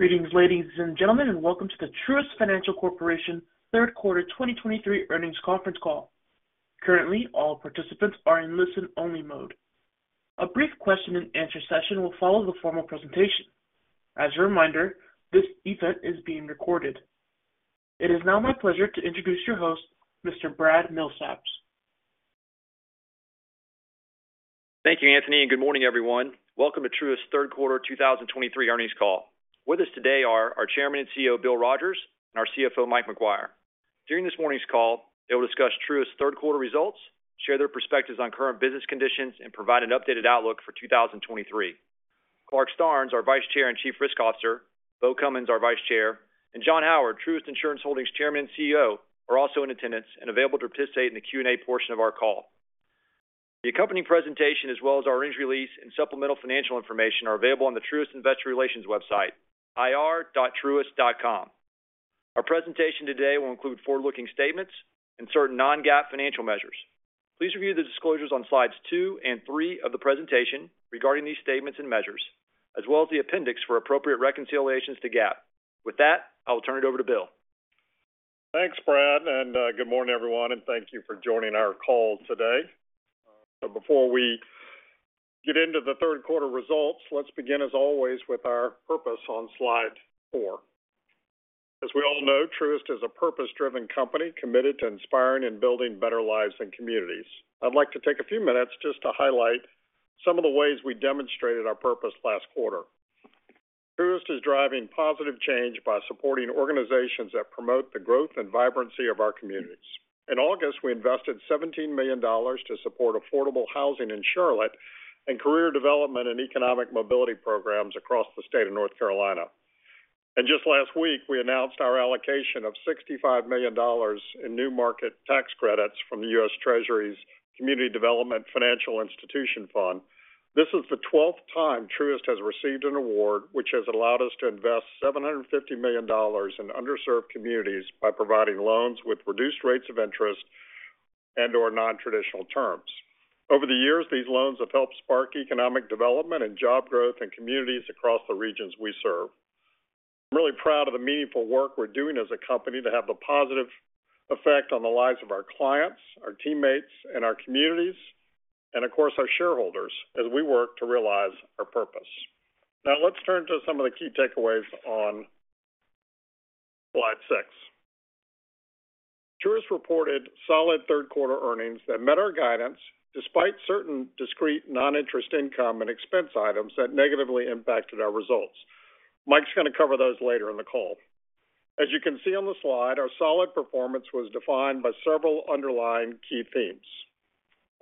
Greetings, ladies and gentlemen, and welcome to the Truist Financial Corporation Q3 2023 Earnings Conference Call. Currently, all participants are in listen-only mode. A brief question and answer session will follow the formal presentation. As a reminder, this event is being recorded. It is now my pleasure to introduce your host, Mr. Brad Milsaps. Thank you, Anthony, and good morning, everyone. Welcome to Truist's Q3 2023 earnings call. With us today are our Chairman and CEO, Bill Rogers, and our CFO, Mike Maguire. During this morning's call, they'll discuss Truist's Q3 results, share their perspectives on current business conditions, and provide an updated outlook for 2023. Clarke Starnes, our Vice Chair and Chief Risk Officer, Beau Cummins, our Vice Chair, and John Howard, Truist Insurance Holdings Chairman and CEO, are also in attendance and available to participate in the Q&A portion of our call. The accompanying presentation, as well as our earnings release and supplemental financial information, are available on the Truist Investor Relations website, ir.truist.com. Our presentation today will include forward-looking statements and certain non-GAAP financial measures. Please review the disclosures on slides 2 and 3 of the presentation regarding these statements and measures, as well as the appendix for appropriate reconciliations to GAAP. With that, I will turn it over to Bill. Thanks, Brad, and good morning, everyone, and thank you for joining our call today. So before we get into the Q3 results, let's begin, as always, with our purpose on slide four. As we all know, Truist is a purpose-driven company committed to inspiring and building better lives and communities. I'd like to take a few minutes just to highlight some of the ways we demonstrated our purpose last quarter. Truist is driving positive change by supporting organizations that promote the growth and vibrancy of our communities. In August, we invested $17 million to support affordable housing in Charlotte and career development and economic mobility programs across the state of North Carolina. Just last week, we announced our allocation of $65 million in New Markets Tax Credits from the U.S. Treasury's Community Development Financial Institutions Fund. This is the twelfth time Truist has received an award which has allowed us to invest $750 million in underserved communities by providing loans with reduced rates of interest and/or non-traditional terms. Over the years, these loans have helped spark economic development and job growth in communities across the regions we serve. I'm really proud of the meaningful work we're doing as a company to have a positive effect on the lives of our clients, our teammates, and our communities, and of course, our shareholders, as we work to realize our purpose. Now, let's turn to some of the key takeaways on slide six. Truist reported solid third-quarter earnings that met our guidance, despite certain discrete non-interest income and expense items that negatively impacted our results. Mike's going to cover those later in the call. As you can see on the slide, our solid performance was defined by several underlying key themes.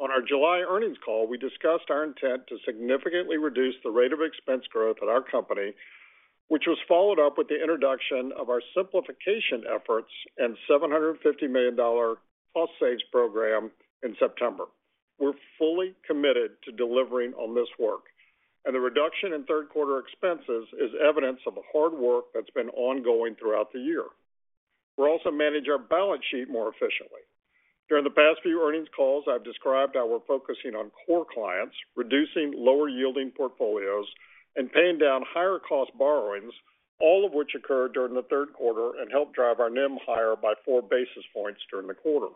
On our July earnings call, we discussed our intent to significantly reduce the rate of expense growth at our company, which was followed up with the introduction of our simplification efforts and $750 million cost saves program in September. We're fully committed to delivering on this work, and the reduction in third-quarter expenses is evidence of the hard work that's been ongoing throughout the year. We're also managing our balance sheet more efficiently. During the past few earnings calls, I've described how we're focusing on core clients, reducing lower-yielding portfolios, and paying down higher-cost borrowings, all of which occurred during the Q3 and helped drive our NIM higher by four basis points during the quarter.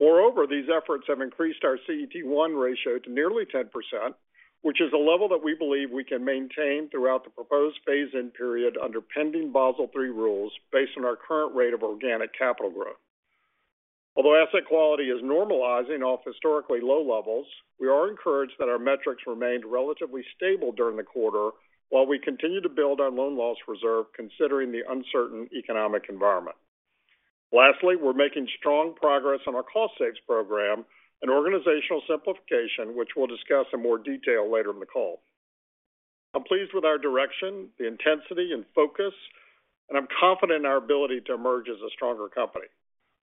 Moreover, these efforts have increased our CET1 ratio to nearly 10%, which is a level that we believe we can maintain throughout the proposed phase-in period under pending Basel III rules based on our current rate of organic capital growth. Although asset quality is normalizing off historically low levels, we are encouraged that our metrics remained relatively stable during the quarter while we continue to build our loan loss reserve, considering the uncertain economic environment. Lastly, we're making strong progress on our cost saves program and organizational simplification, which we'll discuss in more detail later in the call. I'm pleased with our direction, the intensity and focus, and I'm confident in our ability to emerge as a stronger company.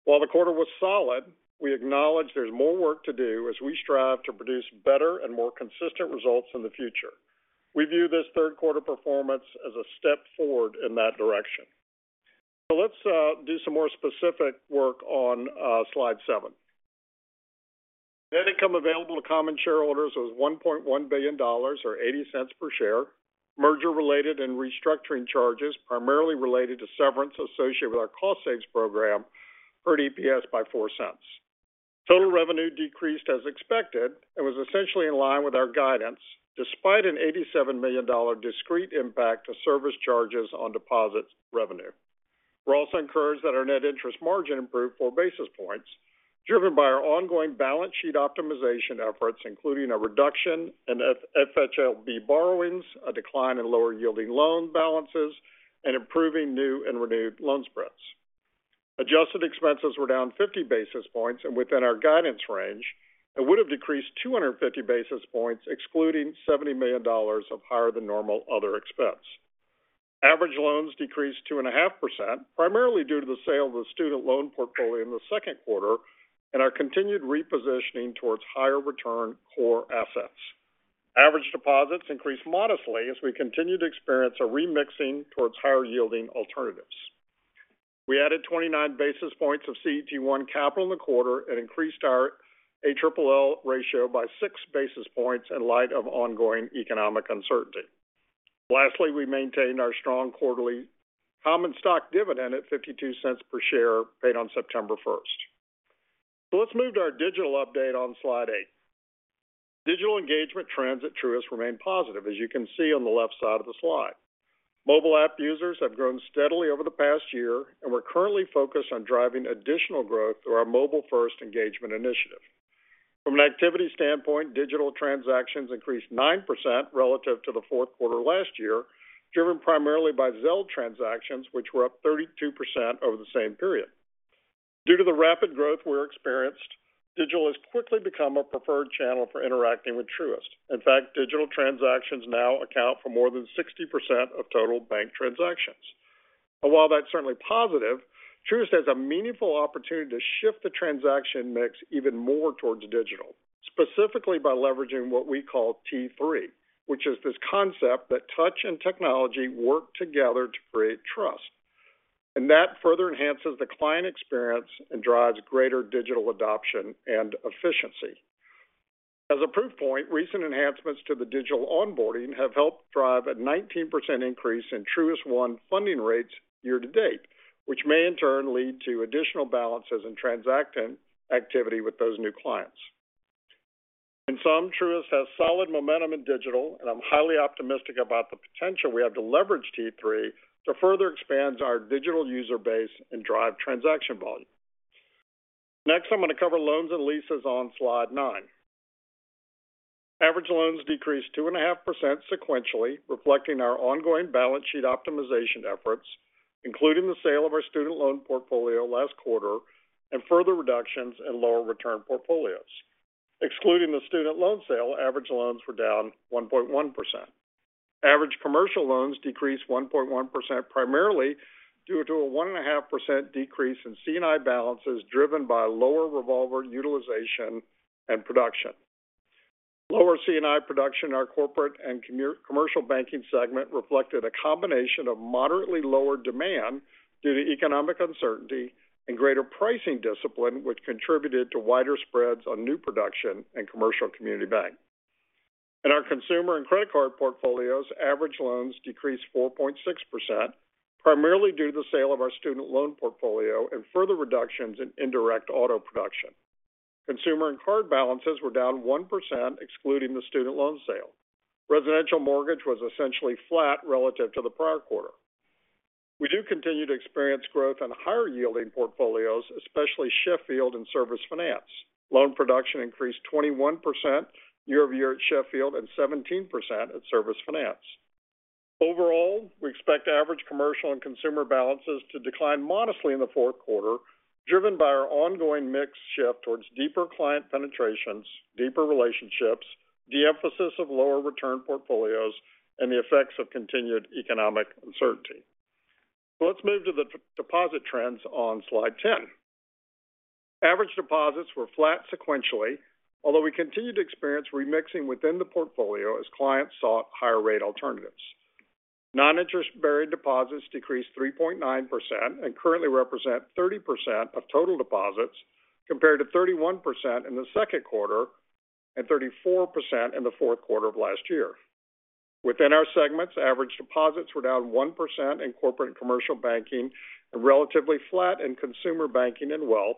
While the quarter was solid, we acknowledge there's more work to do as we strive to produce better and more consistent results in the future. We view this third-quarter performance as a step forward in that direction. Let's do some more specific work on slide 7. Net income available to common shareholders was $1.1 billion, or $0.80 per share. Merger-related and restructuring charges, primarily related to severance associated with our cost saves program, eroded EPS by $0.04. Total revenue decreased as expected and was essentially in line with our guidance, despite an $87 million discrete impact to service charges on deposits revenue. We're also encouraged that our net interest margin improved four basis points, driven by our ongoing balance sheet optimization efforts, including a reduction in FHLB borrowings, a decline in lower yielding loan balances, and improving new and renewed loan spreads. Adjusted expenses were down 50 basis points and within our guidance range and would have decreased 250 basis points, excluding $70 million of higher-than-normal other expense. Average loans decreased 2.5%, primarily due to the sale of the student loan portfolio in the second quarter, and our continued repositioning towards higher return core assets. Average deposits increased modestly as we continue to experience a remixing towards higher-yielding alternatives. We added 29 basis points of CET1 capital in the quarter and increased our ALLL ratio by 6 basis points in light of ongoing economic uncertainty. Lastly, we maintained our strong quarterly common stock dividend at $0.52 per share, paid on September first. So let's move to our digital update on Slide 8. Digital engagement trends at Truist remain positive, as you can see on the left side of the slide. Mobile app users have grown steadily over the past year, and we're currently focused on driving additional growth through our mobile-first engagement initiative. From an activity standpoint, digital transactions increased 9% relative to the Q4 last year, driven primarily by Zelle transactions, which were up 32% over the same period. Due to the rapid growth we're experienced, digital has quickly become a preferred channel for interacting with Truist. In fact, digital transactions now account for more than 60% of total bank transactions. While that's certainly positive, Truist has a meaningful opportunity to shift the transaction mix even more towards digital, specifically by leveraging what we call T3, which is this concept that touch and technology work together to create trust, and that further enhances the client experience and drives greater digital adoption and efficiency. As a proof point, recent enhancements to the digital onboarding have helped drive a 19% increase in Truist One funding rates year to date, which may in turn lead to additional balances and transaction activity with those new clients. In sum, Truist has solid momentum in digital, and I'm highly optimistic about the potential we have to leverage T3 to further expand our digital user base and drive transaction volume. Next, I'm going to cover loans and leases on Slide 9. Average loans decreased 2.5% sequentially, reflecting our ongoing balance sheet optimization efforts, including the sale of our student loan portfolio last quarter and further reductions in lower return portfolios. Excluding the student loan sale, average loans were down 1.1%. Average commercial loans decreased 1.1%, primarily due to a 1.5% decrease in C&I balances, driven by lower revolver utilization and production. Lower C&I production in our corporate and commercial banking segment reflected a combination of moderately lower demand due to economic uncertainty and greater pricing discipline, which contributed to wider spreads on new production and commercial community bank. In our consumer and credit card portfolios, average loans decreased 4.6%, primarily due to the sale of our student loan portfolio and further reductions in indirect auto production. Consumer and card balances were down 1%, excluding the student loan sale. Residential mortgage was essentially flat relative to the prior quarter. We do continue to experience growth in higher-yielding portfolios, especially Sheffield and Service Finance. Loan production increased 21% year-over-year at Sheffield and 17% at Service Finance. Overall, we expect average commercial and consumer balances to decline modestly in the Q4, driven by our ongoing mix shift towards deeper client penetrations, deeper relationships, de-emphasis of lower return portfolios, and the effects of continued economic uncertainty. So let's move to the deposit trends on Slide 10. Average deposits were flat sequentially, although we continued to experience remixing within the portfolio as clients sought higher rate alternatives. Non-interest bearing deposits decreased 3.9% and currently represent 30% of total deposits, compared to 31% in the second quarter and 34% in the Q4 of last year. Within our segments, average deposits were down 1% in corporate and commercial banking and relatively flat in consumer banking and wealth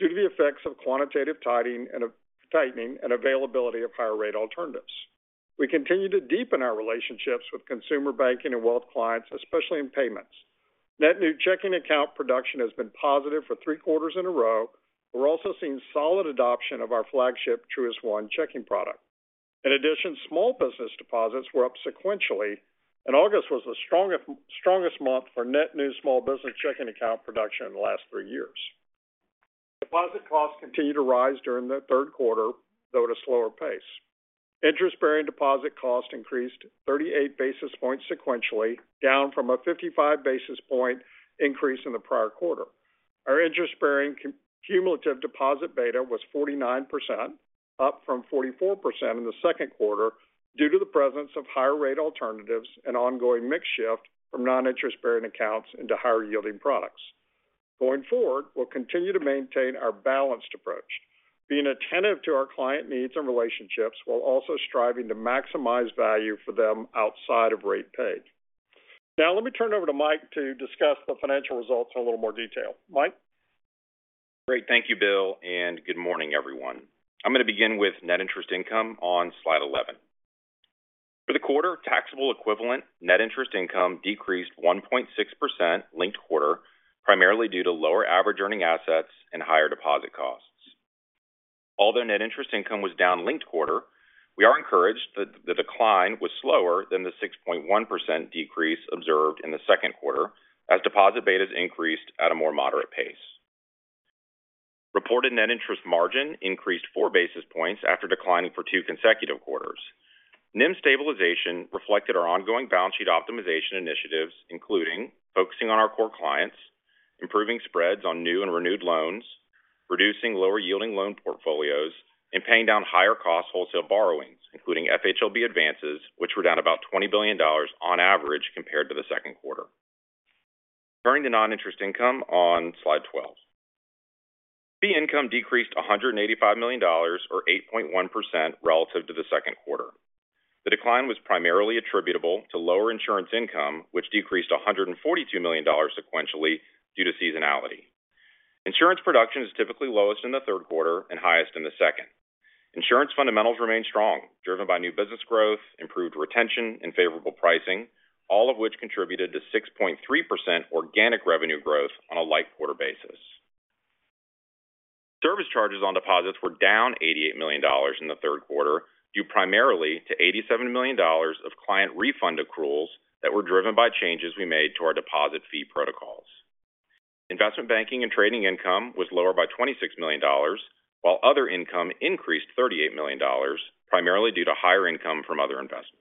due to the effects of quantitative tightening and availability of higher rate alternatives. We continue to deepen our relationships with consumer banking and wealth clients, especially in payments. Net new checking account production has been positive for three quarters in a row. We're also seeing solid adoption of our flagship Truist One checking product. In addition, small business deposits were up sequentially, and August was the strongest month for net new small business checking account production in the last three years. Deposit costs continued to rise during the Q3, though at a slower pace. Interest-bearing deposit cost increased 38 basis points sequentially, down from a 55 basis point increase in the prior quarter. Our interest-bearing cumulative deposit beta was 49%, up from 44% in the second quarter, due to the presence of higher rate alternatives and ongoing mix shift from non-interest-bearing accounts into higher-yielding products. Going forward, we'll continue to maintain our balanced approach, being attentive to our client needs and relationships, while also striving to maximize value for them outside of rate paid. Now, let me turn it over to Mike to discuss the financial results in a little more detail. Mike? Great. Thank you, Bill, and good morning, everyone. I'm going to begin with net interest income on slide 11. For the quarter, taxable equivalent net interest income decreased 1.6% linked quarter, primarily due to lower average earning assets and higher deposit costs. Although net interest income was down linked quarter, we are encouraged that the decline was slower than the 6.1% decrease observed in the second quarter, as deposit betas increased at a more moderate pace. Reported net interest margin increased four basis points after declining for two consecutive quarters. NIM stabilization reflected our ongoing balance sheet optimization initiatives, including focusing on our core clients, improving spreads on new and renewed loans, reducing lower yielding loan portfolios and paying down higher cost wholesale borrowings, including FHLB advances, which were down about $20 billion on average compared to the second quarter. Turning to non-interest income on slide 12. The income decreased $185 million, or 8.1% relative to the second quarter. The decline was primarily attributable to lower insurance income, which decreased $142 million sequentially due to seasonality. Insurance production is typically lowest in the Q3 and highest in the second. Insurance fundamentals remain strong, driven by new business growth, improved retention and favorable pricing, all of which contributed to 6.3% organic revenue growth on a like quarter basis. Service charges on deposits were down $88 million in the Q3, due primarily to $87 million of client refund accruals that were driven by changes we made to our deposit fee protocols. Investment banking and trading income was lower by $26 million, while other income increased $38 million, primarily due to higher income from other investments.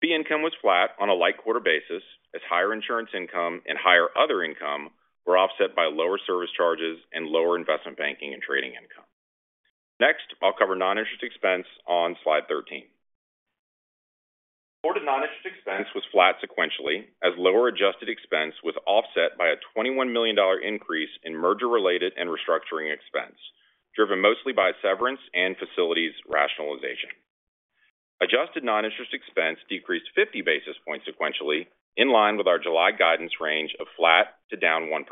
The income was flat on a linked quarter basis, as higher insurance income and higher other income were offset by lower service charges and lower investment banking and trading income. Next, I'll cover non-interest expense on slide 13. Non-interest expense was flat sequentially, as lower adjusted expense was offset by a $21 million increase in merger-related and restructuring expense, driven mostly by severance and facilities rationalization. Adjusted non-interest expense decreased 50 basis points sequentially, in line with our July guidance range of flat to down 1%.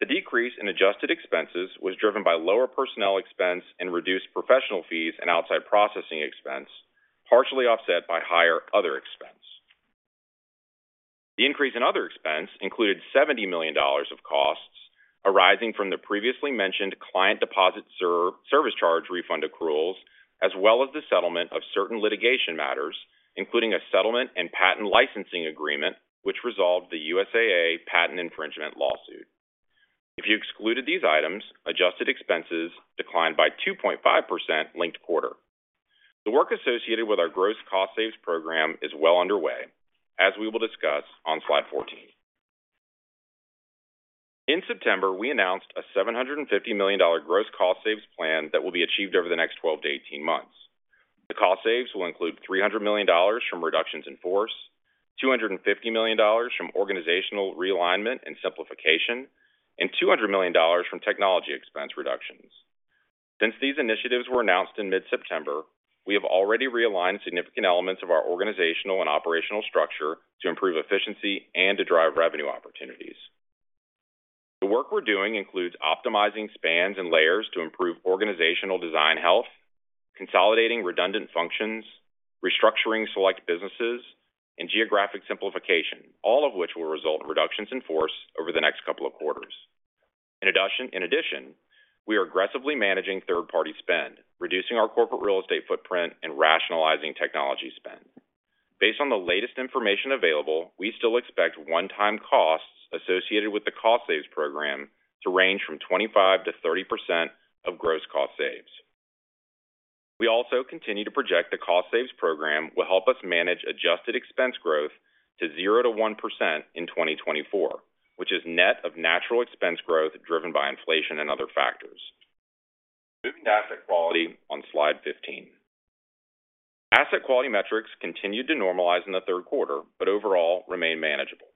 The decrease in adjusted expenses was driven by lower personnel expense and reduced professional fees and outside processing expense, partially offset by higher other expense. The increase in other expense included $70 million of costs arising from the previously mentioned client deposit service charge refund accruals, as well as the settlement of certain litigation matters, including a settlement and patent licensing agreement, which resolved the USAA patent infringement lawsuit. If you excluded these items, adjusted expenses declined by 2.5% linked quarter. The work associated with our gross cost saves program is well underway, as we will discuss on slide 14. In September, we announced a $750 million gross cost saves plan that will be achieved over the next 12-18 months. The cost saves will include $300 million from reductions in force, $250 million from organizational realignment and simplification, and $200 million from technology expense reductions. Since these initiatives were announced in mid-September, we have already realigned significant elements of our organizational and operational structure to improve efficiency and to drive revenue opportunities. The work we're doing includes optimizing spans and layers to improve organizational design health, consolidating redundant functions, restructuring select businesses, and geographic simplification, all of which will result in reductions in force over the next couple of quarters. In addition, we are aggressively managing third-party spend, reducing our corporate real estate footprint and rationalizing technology spend. Based on the latest information available, we still expect one-time costs associated with the cost saves program to range from 25%-30% of gross cost saves. We also continue to project the cost saves program will help us manage adjusted expense growth to 0%-1% in 2024, which is net of natural expense growth driven by inflation and other factors. Moving to asset quality on slide 15. Asset quality metrics continued to normalize in the Q3, but overall remain manageable.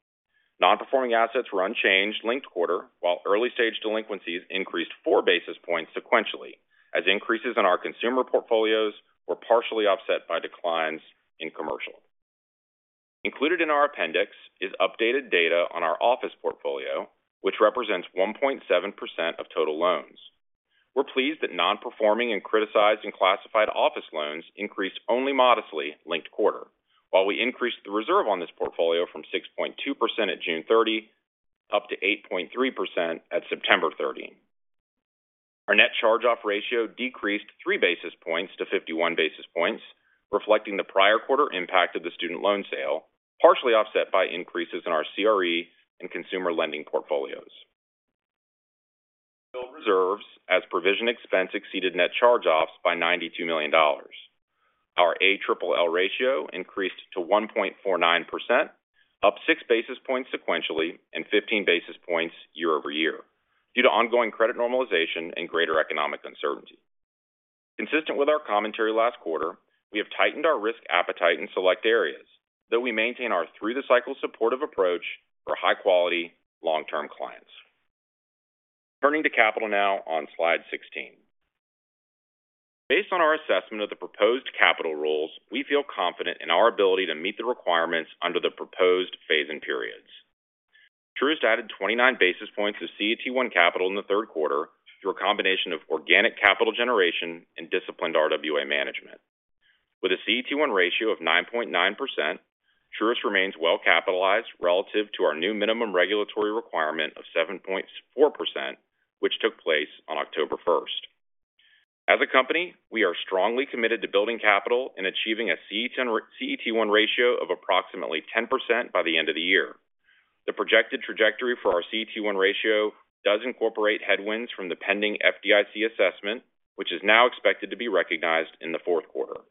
Non-performing assets were unchanged linked quarter, while early-stage delinquencies increased 4 basis points sequentially, as increases in our consumer portfolios were partially offset by declines in commercial. Included in our appendix is updated data on our office portfolio, which represents 1.7% of total loans. We're pleased that non-performing and criticized and classified office loans increased only modestly linked quarter, while we increased the reserve on this portfolio from 6.2% at June 30, up to 8.3% at September 30. Our net charge-off ratio decreased 3 basis points to 51 basis points, reflecting the prior quarter impact of the student loan sale, partially offset by increases in our CRE and consumer lending portfolios. Reserves as provision expense exceeded net charge-offs by $92 million. Our ALL ratio increased to 1.49%, up 6 basis points sequentially and 15 basis points year-over-year, due to ongoing credit normalization and greater economic uncertainty. Consistent with our commentary last quarter, we have tightened our risk appetite in select areas, though we maintain our through the cycle supportive approach for high quality, long-term clients. Turning to capital now on slide 16. Based on our assessment of the proposed capital rules, we feel confident in our ability to meet the requirements under the proposed phase-in periods. Truist added 29 basis points of CET1 capital in the Q3 through a combination of organic capital generation and disciplined RWA management. With a CET1 ratio of 9.9%, Truist remains well capitalized relative to our new minimum regulatory requirement of 7.4%, which took place on October first. As a company, we are strongly committed to building capital and achieving a CET1, CET1 ratio of approximately 10% by the end of the year. The projected trajectory for our CET1 ratio does incorporate headwinds from the pending FDIC assessment, which is now expected to be recognized in the Q4.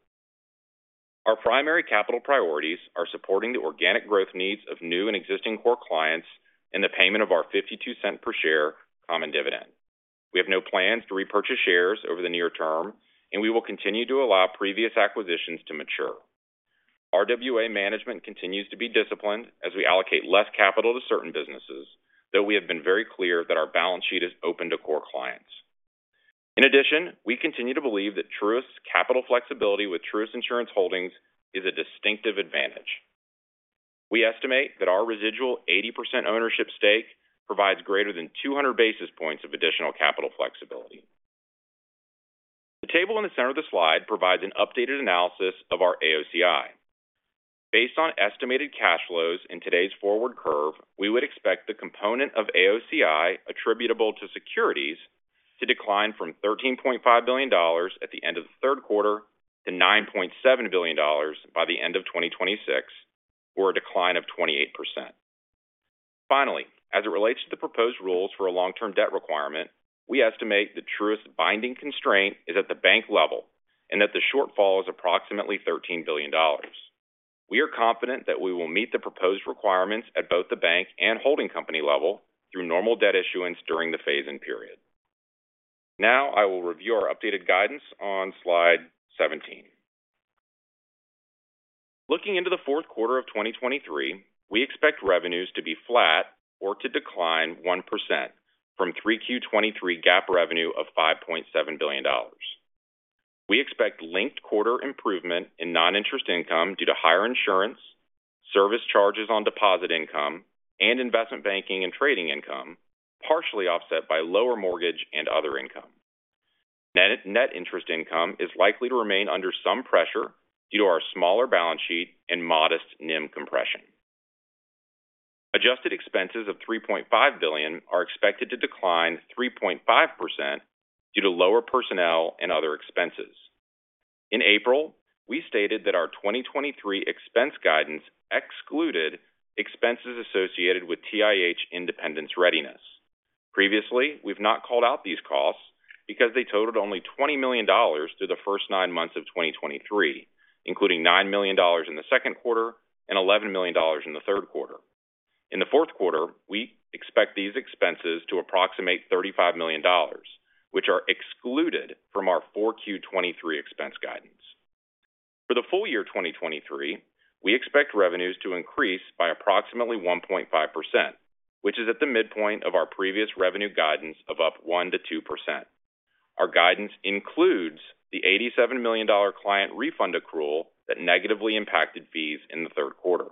Our primary capital priorities are supporting the organic growth needs of new and existing core clients and the payment of our $0.52 per share common dividend. We have no plans to repurchase shares over the near term, and we will continue to allow previous acquisitions to mature. RWA management continues to be disciplined as we allocate less capital to certain businesses, though we have been very clear that our balance sheet is open to core clients. In addition, we continue to believe that Truist's capital flexibility with Truist Insurance Holdings is a distinctive advantage. We estimate that our residual 80% ownership stake provides greater than 200 basis points of additional capital flexibility. The table in the center of the slide provides an updated analysis of our AOCI. Based on estimated cash flows in today's forward curve, we would expect the component of AOCI attributable to securities to decline from $13.5 billion at the end of the Q3 to $9.7 billion by the end of 2026, or a decline of 28%. Finally, as it relates to the proposed rules for a long-term debt requirement, we estimate the Truist binding constraint is at the bank level and that the shortfall is approximately $13 billion. We are confident that we will meet the proposed requirements at both the bank and holding company level through normal debt issuance during the phase-in period. Now, I will review our updated guidance on slide 17. Looking into the Q4 of 2023, we expect revenues to be flat or to decline 1% from 3Q 2023 GAAP revenue of $5.7 billion. We expect linked quarter improvement in non-interest income due to higher insurance, service charges on deposit income, and investment banking and trading income, partially offset by lower mortgage and other income. Net. Net interest income is likely to remain under some pressure due to our smaller balance sheet and modest NIM compression. Adjusted expenses of $3.5 billion are expected to decline 3.5% due to lower personnel and other expenses. In April, we stated that our 2023 expense guidance excluded expenses associated with TIH Independence Readiness. Previously, we've not called out these costs because they totaled only $20 million through the first nine months of 2023, including $9 million in the second quarter and $11 million in the Q3. In the Q4, we expect these expenses to approximate $35 million, which are excluded from our 4Q 2023 expense guidance. For the full year 2023, we expect revenues to increase by approximately 1.5%, which is at the midpoint of our previous revenue guidance of up 1%-2%. Our guidance includes the $87 million client refund accrual that negatively impacted fees in the Q3.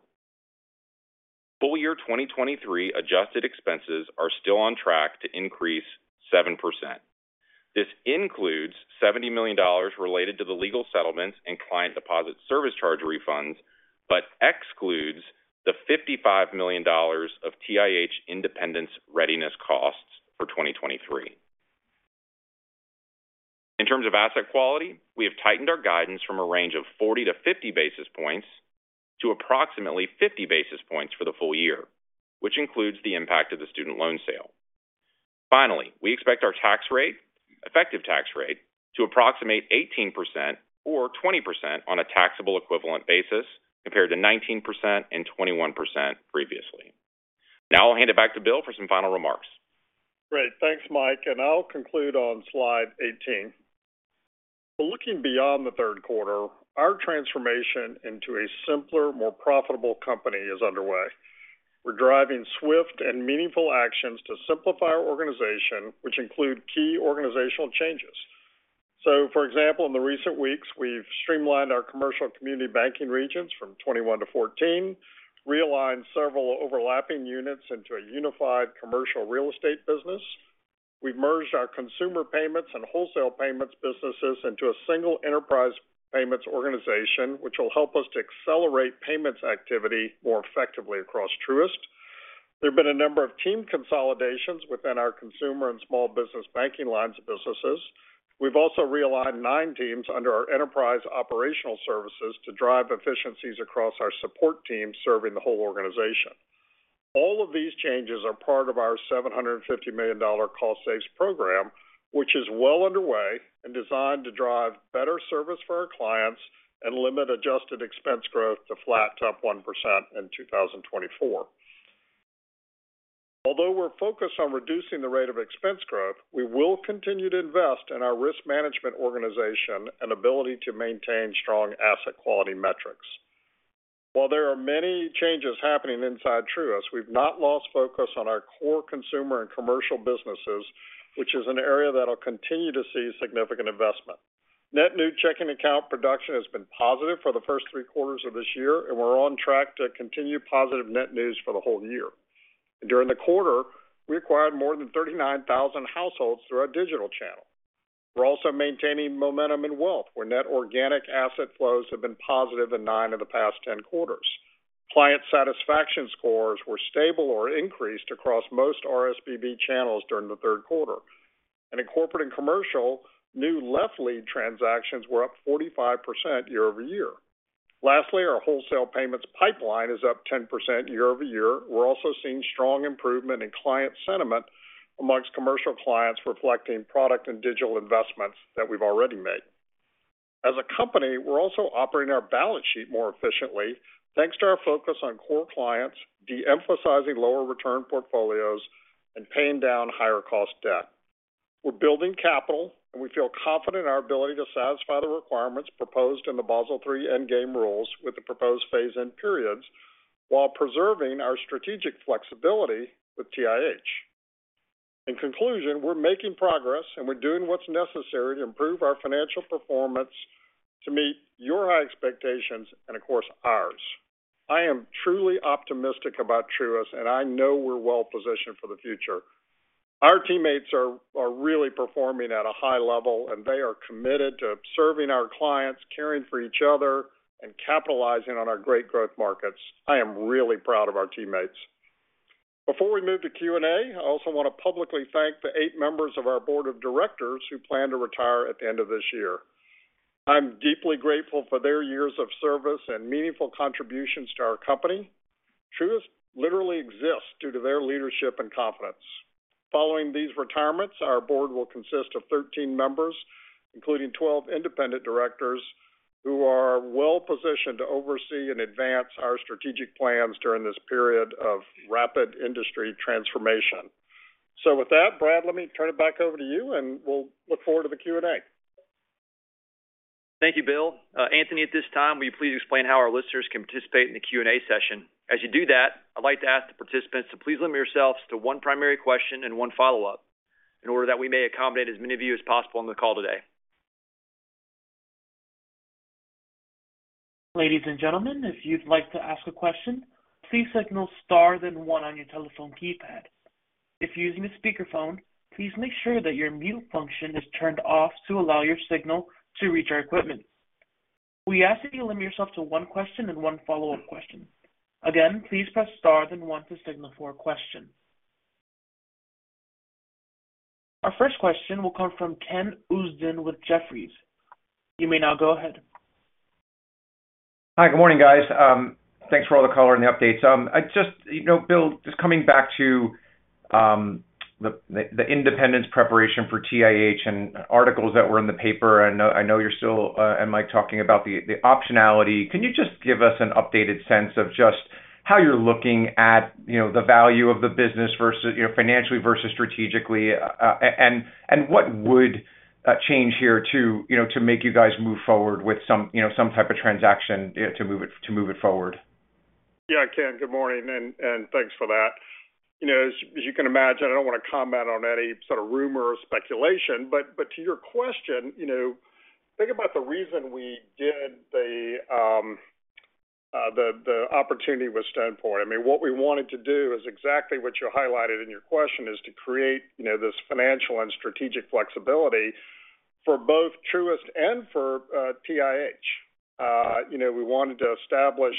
Full year 2023 adjusted expenses are still on track to increase 7%. This includes $70 million related to the legal settlements and client deposit service charge refunds, but excludes the $55 million of TIH Independence Readiness costs for 2023. In terms of asset quality, we have tightened our guidance from a range of 40-50 basis points to approximately 50 basis points for the full year, which includes the impact of the student loan sale. Finally, we expect our tax rate, effective tax rate to approximate 18% or 20% on a taxable equivalent basis, compared to 19% and 21% previously. Now I'll hand it back to Bill for some final remarks. Great. Thanks, Mike, and I'll conclude on slide 18. Looking beyond the Q3, our transformation into a simpler, more profitable company is underway. We're driving swift and meaningful actions to simplify our organization, which include key organizational changes. So, for example, in the recent weeks, we've streamlined our commercial community banking regions from 21 to 14, realigned several overlapping units into a unified commercial real estate business. We've merged our consumer payments and wholesale payments businesses into a single enterprise payments organization, which will help us to accelerate payments activity more effectively across Truist. There have been a number of team consolidations within our consumer and small business banking lines of businesses. We've also realigned nine teams under our enterprise operational services to drive efficiencies across our support team, serving the whole organization. All of these changes are part of our $750 million cost savings program, which is well underway and designed to drive better service for our clients and limit adjusted expense growth to flat to up 1% in 2024. Although we're focused on reducing the rate of expense growth, we will continue to invest in our risk management organization and ability to maintain strong asset quality metrics. While there are many changes happening inside Truist, we've not lost focus on our core consumer and commercial businesses, which is an area that will continue to see significant investment. Net new checking account production has been positive for the first three quarters of this year, and we're on track to continue positive net new for the whole year. During the quarter, we acquired more than 39,000 households through our digital channel. We're also maintaining momentum in wealth, where net organic asset flows have been positive in 9 of the past 10 quarters. Client satisfaction scores were stable or increased across most our SBB channels during the Q3, and in corporate and commercial, new left lead transactions were up 45% year-over-year. Lastly, our wholesale payments pipeline is up 10% year-over-year. We're also seeing strong improvement in client sentiment amongst commercial clients, reflecting product and digital investments that we've already made. As a company, we're also operating our balance sheet more efficiently, thanks to our focus on core clients, de-emphasizing lower return portfolios, and paying down higher cost debt. We're building capital, and we feel confident in our ability to satisfy the requirements proposed in the Basel III endgame rules with the proposed phase-in periods, while preserving our strategic flexibility with TIH. In conclusion, we're making progress, and we're doing what's necessary to improve our financial performance to meet your high expectations and, of course, ours. I am truly optimistic about Truist, and I know we're well-positioned for the future. Our teammates are really performing at a high level, and they are committed to serving our clients, caring for each other, and capitalizing on our great growth markets. I am really proud of our teammates. Before we move to Q&A, I also want to publicly thank the eight members of our board of directors who plan to retire at the end of this year. I'm deeply grateful for their years of service and meaningful contributions to our company. Truist literally exists due to their leadership and confidence. Following these retirements, our board will consist of 13 members, including 12 independent directors, who are well-positioned to oversee and advance our strategic plans during this period of rapid industry transformation. With that, Brad, let me turn it back over to you, and we'll look forward to the Q&A. Thank you, Bill. Anthony, at this time, will you please explain how our listeners can participate in the Q&A session? As you do that, I'd like to ask the participants to please limit yourselves to one primary question and one follow-up in order that we may accommodate as many of you as possible on the call today. Ladies and gentlemen, if you'd like to ask a question, please signal star then one on your telephone keypad. If you're using a speakerphone, please make sure that your mute function is turned off to allow your signal to reach our equipment. We ask that you limit yourself to one question and one follow-up question. Again, please press star then one to signal for a question. Our first question will come from Ken Usdin with Jefferies. You may now go ahead. Hi, good morning, guys. Thanks for all the color and the updates. I just, you know, Bill, just coming back to the independence preparation for TIH and articles that were in the paper. I know you're still and Mike talking about the optionality. Can you just give us an updated sense of just how you're looking at, you know, the value of the business versus, you know, financially versus strategically? And what would change here to, you know, to make you guys move forward with some, you know, some type of transaction to move it forward? Yeah, Ken, good morning, and thanks for that. You know, as you can imagine, I don't want to comment on any sort of rumor or speculation, but to your question, you know, think about the reason we did the opportunity with Stone Point. I mean, what we wanted to do is exactly what you highlighted in your question, is to create, you know, this financial and strategic flexibility for both Truist and for TIH. You know, we wanted to establish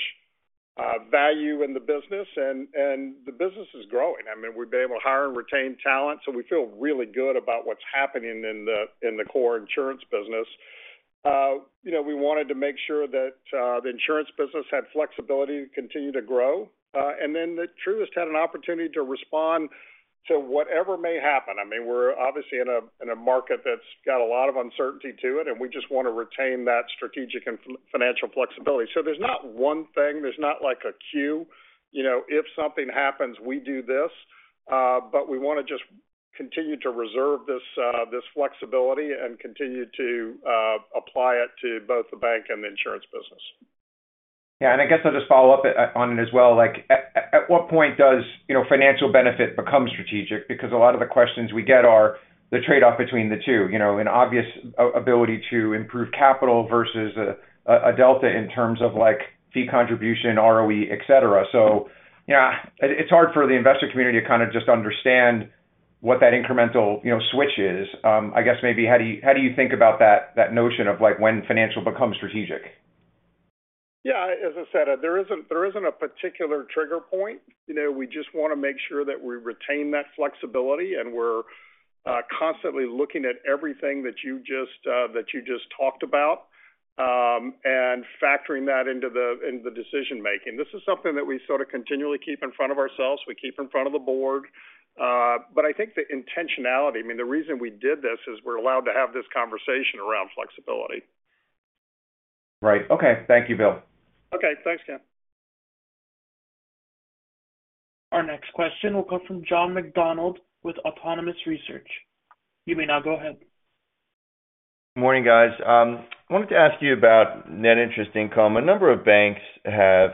value in the business, and the business is growing. I mean, we've been able to hire and retain talent, so we feel really good about what's happening in the core insurance business. You know, we wanted to make sure that the insurance business had flexibility to continue to grow, and then that Truist had an opportunity to respond to whatever may happen. I mean, we're obviously in a market that's got a lot of uncertainty to it, and we just want to retain that strategic and financial flexibility. So there's not one thing, there's not like a queue, you know, if something happens, we do this. But we want to just continue to reserve this flexibility and continue to apply it to both the bank and the insurance business. Yeah, and I guess I'll just follow up on it as well. Like, at what point does, you know, financial benefit become strategic? Because a lot of the questions we get are the trade-off between the two, you know, an obvious ability to improve capital versus a delta in terms of like, fee contribution, ROE, et cetera. So yeah, it's hard for the investor community to kind of just understand what that incremental, you know, switch is. I guess maybe how do you think about that notion of like, when financial becomes strategic? Yeah, as I said, there isn't a particular trigger point. You know, we just want to make sure that we retain that flexibility, and we're constantly looking at everything that you just talked about and factoring that into the decision making. This is something that we sort of continually keep in front of ourselves, we keep in front of the board. But I think the intentionality, I mean, the reason we did this is we're allowed to have this conversation around flexibility. Right. Okay. Thank you, Bill. Okay, thanks, Ken. Our next question will come from John McDonald with Autonomous Research. You may now go ahead. Morning, guys. I wanted to ask you about net interest income. A number of banks have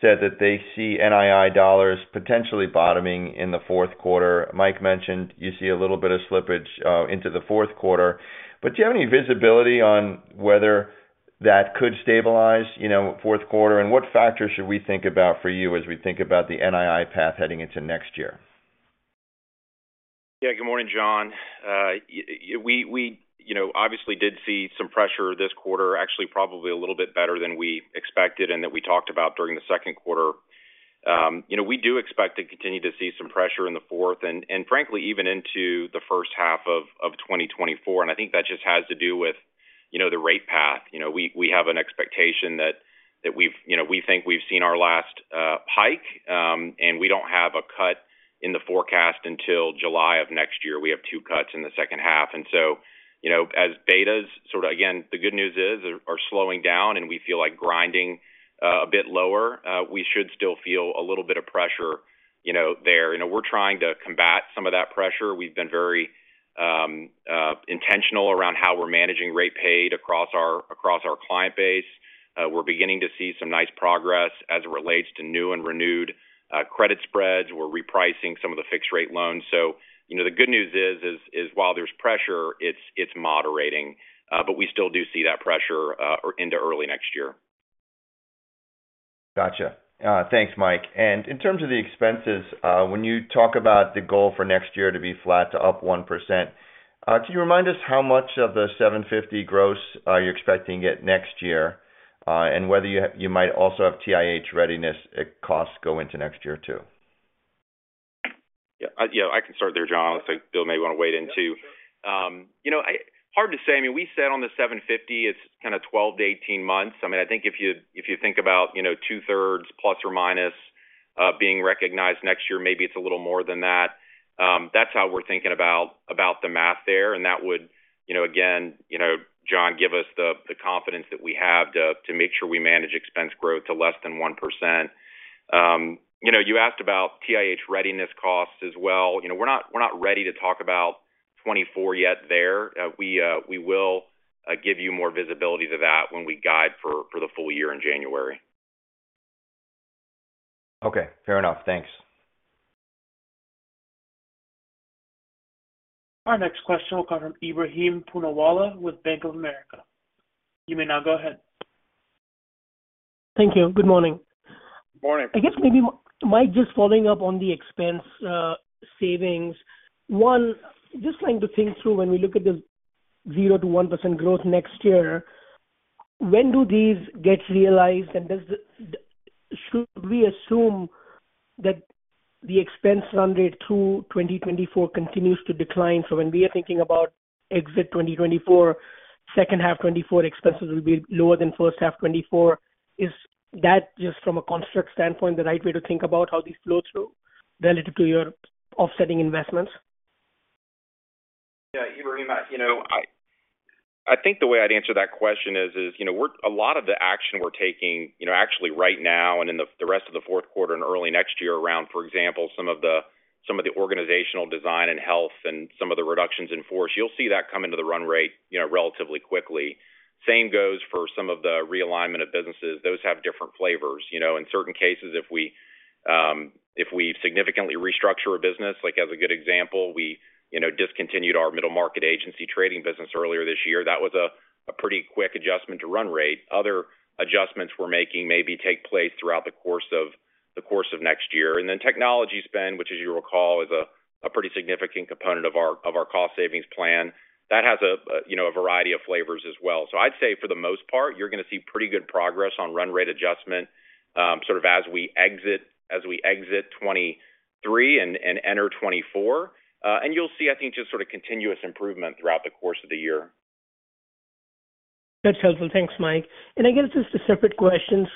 said that they see NII dollars potentially bottoming in the Q4. Mike mentioned you see a little bit of slippage into the Q4, but do you have any visibility on whether that could stabilize, you know, Q4? And what factors should we think about for you as we think about the NII path heading into next year? Yeah, good morning, John. We you know, obviously did see some pressure this quarter, actually, probably a little bit better than we expected and that we talked about during the second quarter. You know, we do expect to continue to see some pressure in the fourth and frankly, even into the first half of 2024, and I think that just has to do with you know, the rate path. You know, we have an expectation that we've you know, we think we've seen our last hike, and we don't have a cut in the forecast until July of next year. We have 2 cuts in the second half. You know, as betas sort of, again, the good news is, are slowing down and we feel like grinding a bit lower, we should still feel a little bit of pressure, you know, there. You know, we're trying to combat some of that pressure. We've been very intentional around how we're managing rate paid across our client base. We're beginning to see some nice progress as it relates to new and renewed credit spreads. We're repricing some of the fixed rate loans. So, you know, the good news is while there's pressure, it's moderating, but we still do see that pressure into early next year. Gotcha. Thanks, Mike. In terms of the expenses, when you talk about the goal for next year to be flat to up 1%, can you remind us how much of the $750 gross are you expecting it next year, and whether you might also have TIH readiness costs go into next year, too? Yeah, you know, I can start there, John. I'll let Bill, he may want to weigh in, too. You know, hard to say. I mean, we said on the 750, it's kind of 12-18 months. I mean, I think if you, if you think about, you know, two-thirds plus or minus being recognized next year, maybe it's a little more than that. That's how we're thinking about, about the math there. And that would, you know, again, you know, John, give us the, the confidence that we have to, to make sure we manage expense growth to less than 1%. You know, you asked about TIH readiness costs as well. You know, we're not, we're not ready to talk about 2024 yet there. We will give you more visibility to that when we guide for the full year in January. Okay, fair enough. Thanks. Our next question will come from Ebrahim Poonawala with Bank of America. You may now go ahead. Thank you. Good morning. Good morning. I guess maybe, Mike, just following up on the expense savings. One, just trying to think through when we look at this 0%-1% growth next year, when do these get realized? And should we assume that the expense run rate through 2024 continues to decline? So when we are thinking about exit 2024, second half 2024 expenses will be lower than first half 2024. Is that just from a construct standpoint, the right way to think about how these flow through relative to your offsetting investments? Yeah, Ebrahim, you know, I think the way I'd answer that question is, you know, we're a lot of the action we're taking, you know, actually right now and in the rest of the Q4 and early next year around, for example, some of the organizational design and health and some of the reductions in force, you'll see that come into the run rate, you know, relatively quickly. Same goes for some of the realignment of businesses. Those have different flavors. You know, in certain cases, if we if we significantly restructure a business, like as a good example, we, you know, discontinued our middle market agency trading business earlier this year. That was a pretty quick adjustment to run rate. Other adjustments we're making maybe take place throughout the course of next year. And then technology spend, which, as you recall, is a pretty significant component of our cost savings plan. That has a, you know, a variety of flavors as well. So I'd say for the most part, you're going to see pretty good progress on run rate adjustment, sort of as we exit 2023 and enter 2024. And you'll see, I think, just sort of continuous improvement throughout the course of the year. That's helpful. Thanks, Mike. I guess just a separate question.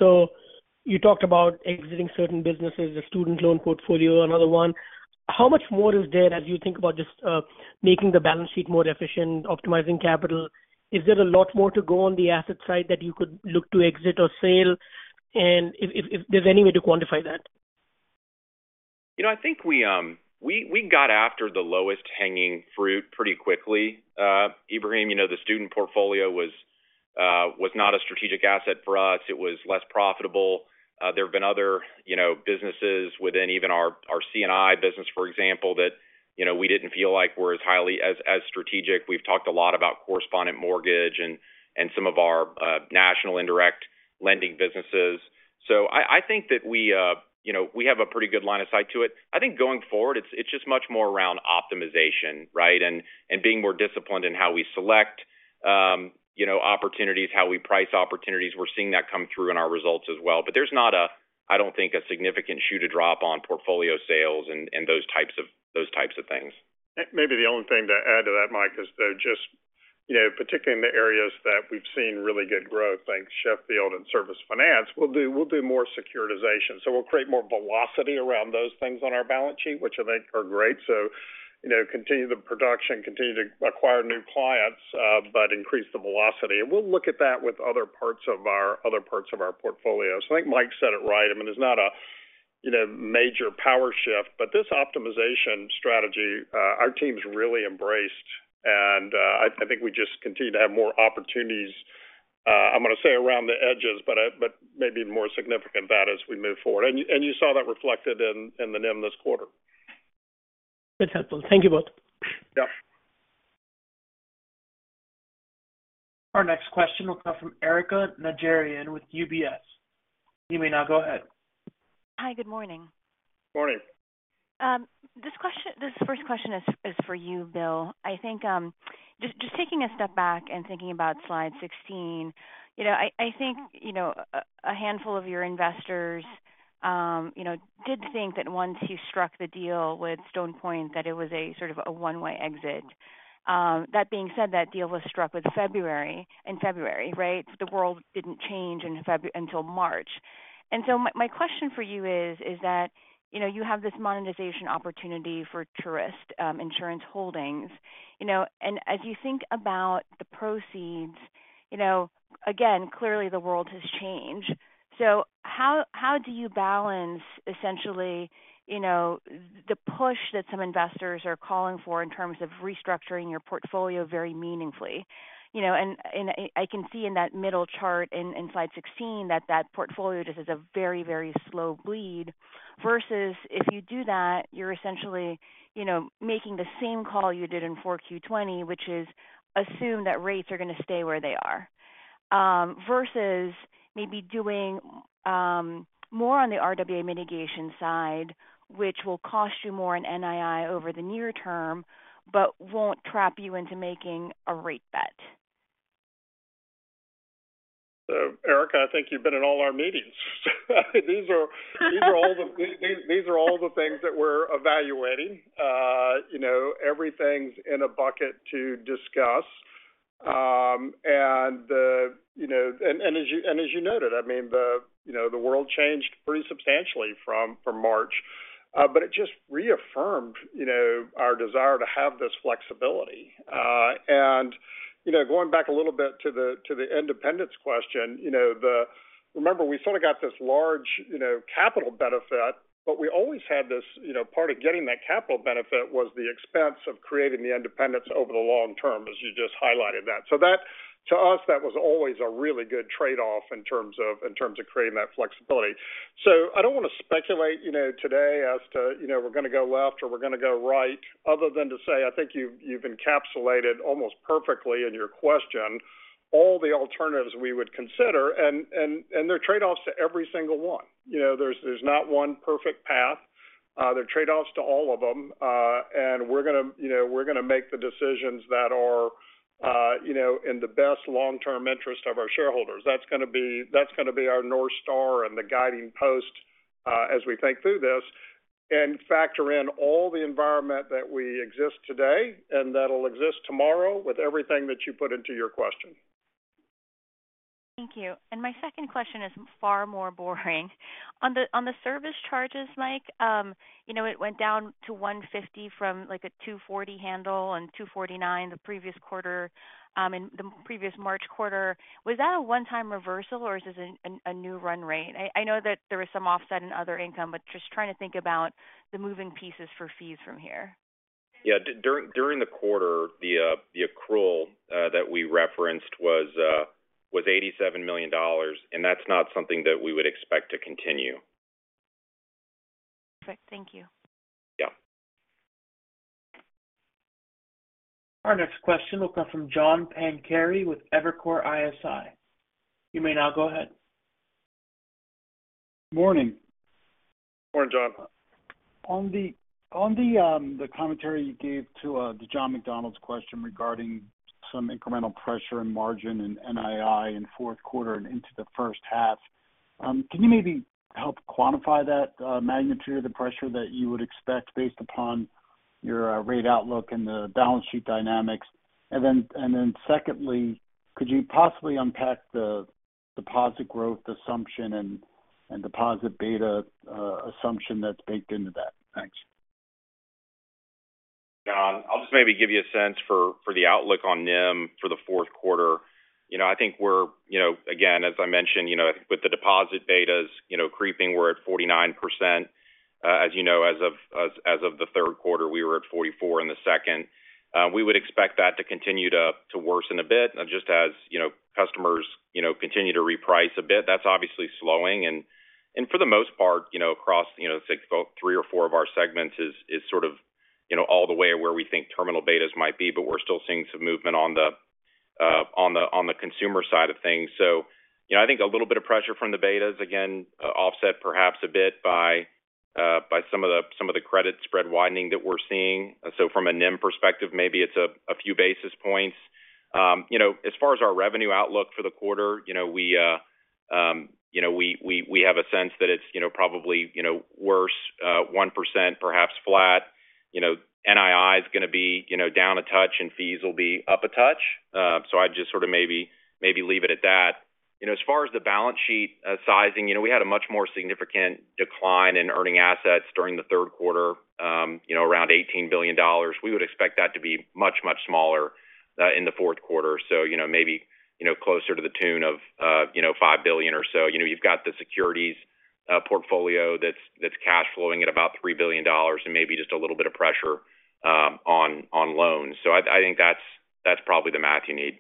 You talked about exiting certain businesses, the student loan portfolio, another one. How much more is there as you think about just making the balance sheet more efficient, optimizing capital? Is there a lot more to go on the asset side that you could look to exit or sell? And if there's any way to quantify that. You know, I think we got after the lowest hanging fruit pretty quickly. Ebrahim, you know, the student portfolio was not a strategic asset for us. It was less profitable. There have been other, you know, businesses within even our C&I business, for example, that, you know, we didn't feel like were as highly as strategic. We've talked a lot about correspondent mortgage and some of our national indirect lending businesses. So I think that we have a pretty good line of sight to it. I think going forward, it's just much more around optimization, right? And being more disciplined in how we select, you know, opportunities, how we price opportunities. We're seeing that come through in our results as well. But there's not a, I don't think, a significant shoe to drop on portfolio sales and those types of things. Maybe the only thing to add to that, Mike, is that just, you know, particularly in the areas that we've seen really good growth, like Sheffield and Service Finance, we'll do, we'll do more securitization. So we'll create more velocity around those things on our balance sheet, which I think are great. So, you know, continue the production, continue to acquire new clients, but increase the velocity. And we'll look at that with other parts of our, other parts of our portfolio. So I think Mike said it right. I mean, it's not a, you know, major power shift, but this optimization strategy, our team's really embraced, and, I think we just continue to have more opportunities, I'm going to say, around the edges, but, but maybe more significant that as we move forward. You saw that reflected in the NIM this quarter. That's helpful. Thank you both. Yeah. Our next question will come from Erika Najarian with UBS. You may now go ahead. Hi, good morning. Morning. This first question is for you, Bill. I think, just taking a step back and thinking about slide 16, you know, I think, you know, a handful of your investors, you know, did think that once you struck the deal with Stone Point, that it was a sort of a one-way exit. That being said, that deal was struck in February, right? The world didn't change in February until March. And so my question for you is, you know, you have this monetization opportunity for Truist Insurance Holdings. You know, and as you think about the proceeds, you know, again, clearly the world has changed. So how do you balance essentially, you know, the push that some investors are calling for in terms of restructuring your portfolio very meaningfully? You know, and I can see in that middle chart in slide 16 that that portfolio just is a very, very slow bleed, versus if you do that, you're essentially, you know, making the same call you did in 4Q20, which is assume that rates are going to stay where they are. Versus maybe doing more on the RWA mitigation side, which will cost you more in NII over the near term, but won't trap you into making a rate bet. So, Erika, I think you've been in all our meetings. These are all the things that we're evaluating. You know, everything's in a bucket to discuss. And as you noted, I mean, you know, the world changed pretty substantially from March, but it just reaffirmed, you know, our desire to have this flexibility. And you know, going back a little bit to the independence question, you know, remember, we sort of got this large capital benefit, but we always had this, you know, part of getting that capital benefit was the expense of creating the independence over the long term, as you just highlighted that. So that, to us, that was always a really good trade-off in terms of creating that flexibility. So I don't want to speculate, you know, today as to, you know, we're going to go left or we're going to go right, other than to say, I think you've encapsulated almost perfectly in your question, all the alternatives we would consider, and there are trade-offs to every single one. You know, there's not one perfect path. There are trade-offs to all of them, and we're going to, you know, we're going to make the decisions that are, you know, in the best long-term interest of our shareholders. That's going to be, that's going to be our North Star and the guiding post, as we think through this and factor in all the environment that we exist today and that'll exist tomorrow with everything that you put into your question. Thank you. And my second question is far more boring. On the service charges, Mike, you know, it went down to $150 from like a $240 handle and $249 the previous quarter, in the previous March quarter. Was that a one-time reversal or is this a new run rate? I know that there was some offset in other income, but just trying to think about the moving pieces for fees from here. Yeah, during the quarter, the accrual that we referenced was $87 million, and that's not something that we would expect to continue. Perfect. Thank you. Yeah. Our next question will come from John Pancari with Evercore ISI. You may now go ahead. Morning. Morning, John. On the commentary you gave to the John McDonald question regarding some incremental pressure in margin and NII in Q4 and into the first half, can you maybe help quantify that magnitude of the pressure that you would expect based upon your rate outlook and the balance sheet dynamics? And then secondly, could you possibly unpack the deposit growth assumption and deposit beta assumption that's baked into that? Thanks. John, I'll just maybe give you a sense for, for the outlook on NIM for the Q4. You know, I think we're, you know, again, as I mentioned, you know, with the deposit betas, you know, creeping, we're at 49%. As you know, as of, as, as of the Q3, we were at 44 in the second. We would expect that to continue to, to worsen a bit, just as, you know, customers, you know, continue to reprice a bit. That's obviously slowing, and, and for the most part, you know, across, you know, I think about three or four of our segments is, is sort of, you know, all the way where we think terminal betas might be, but we're still seeing some movement on the, on the, on the consumer side of things. So, you know, I think a little bit of pressure from the betas, again, offset perhaps a bit by, by some of the, some of the credit spread widening that we're seeing. So from a NIM perspective, maybe it's a few basis points. You know, as far as our revenue outlook for the quarter, you know, we have a sense that it's, you know, probably, you know, worse 1%, perhaps flat. You know, NII is going to be, you know, down a touch and fees will be up a touch. So I'd just sort of maybe leave it at that. You know, as far as the balance sheet sizing, you know, we had a much more significant decline in earning assets during the Q3, you know, around $18 billion. We would expect that to be much, much smaller in the Q4. So, you know, maybe, you know, closer to the tune of, you know, $5 billion or so. You know, you've got the securities portfolio that's, that's cash flowing at about $3 billion and maybe just a little bit of pressure on, on loans. So I, I think that's, that's probably the math you need.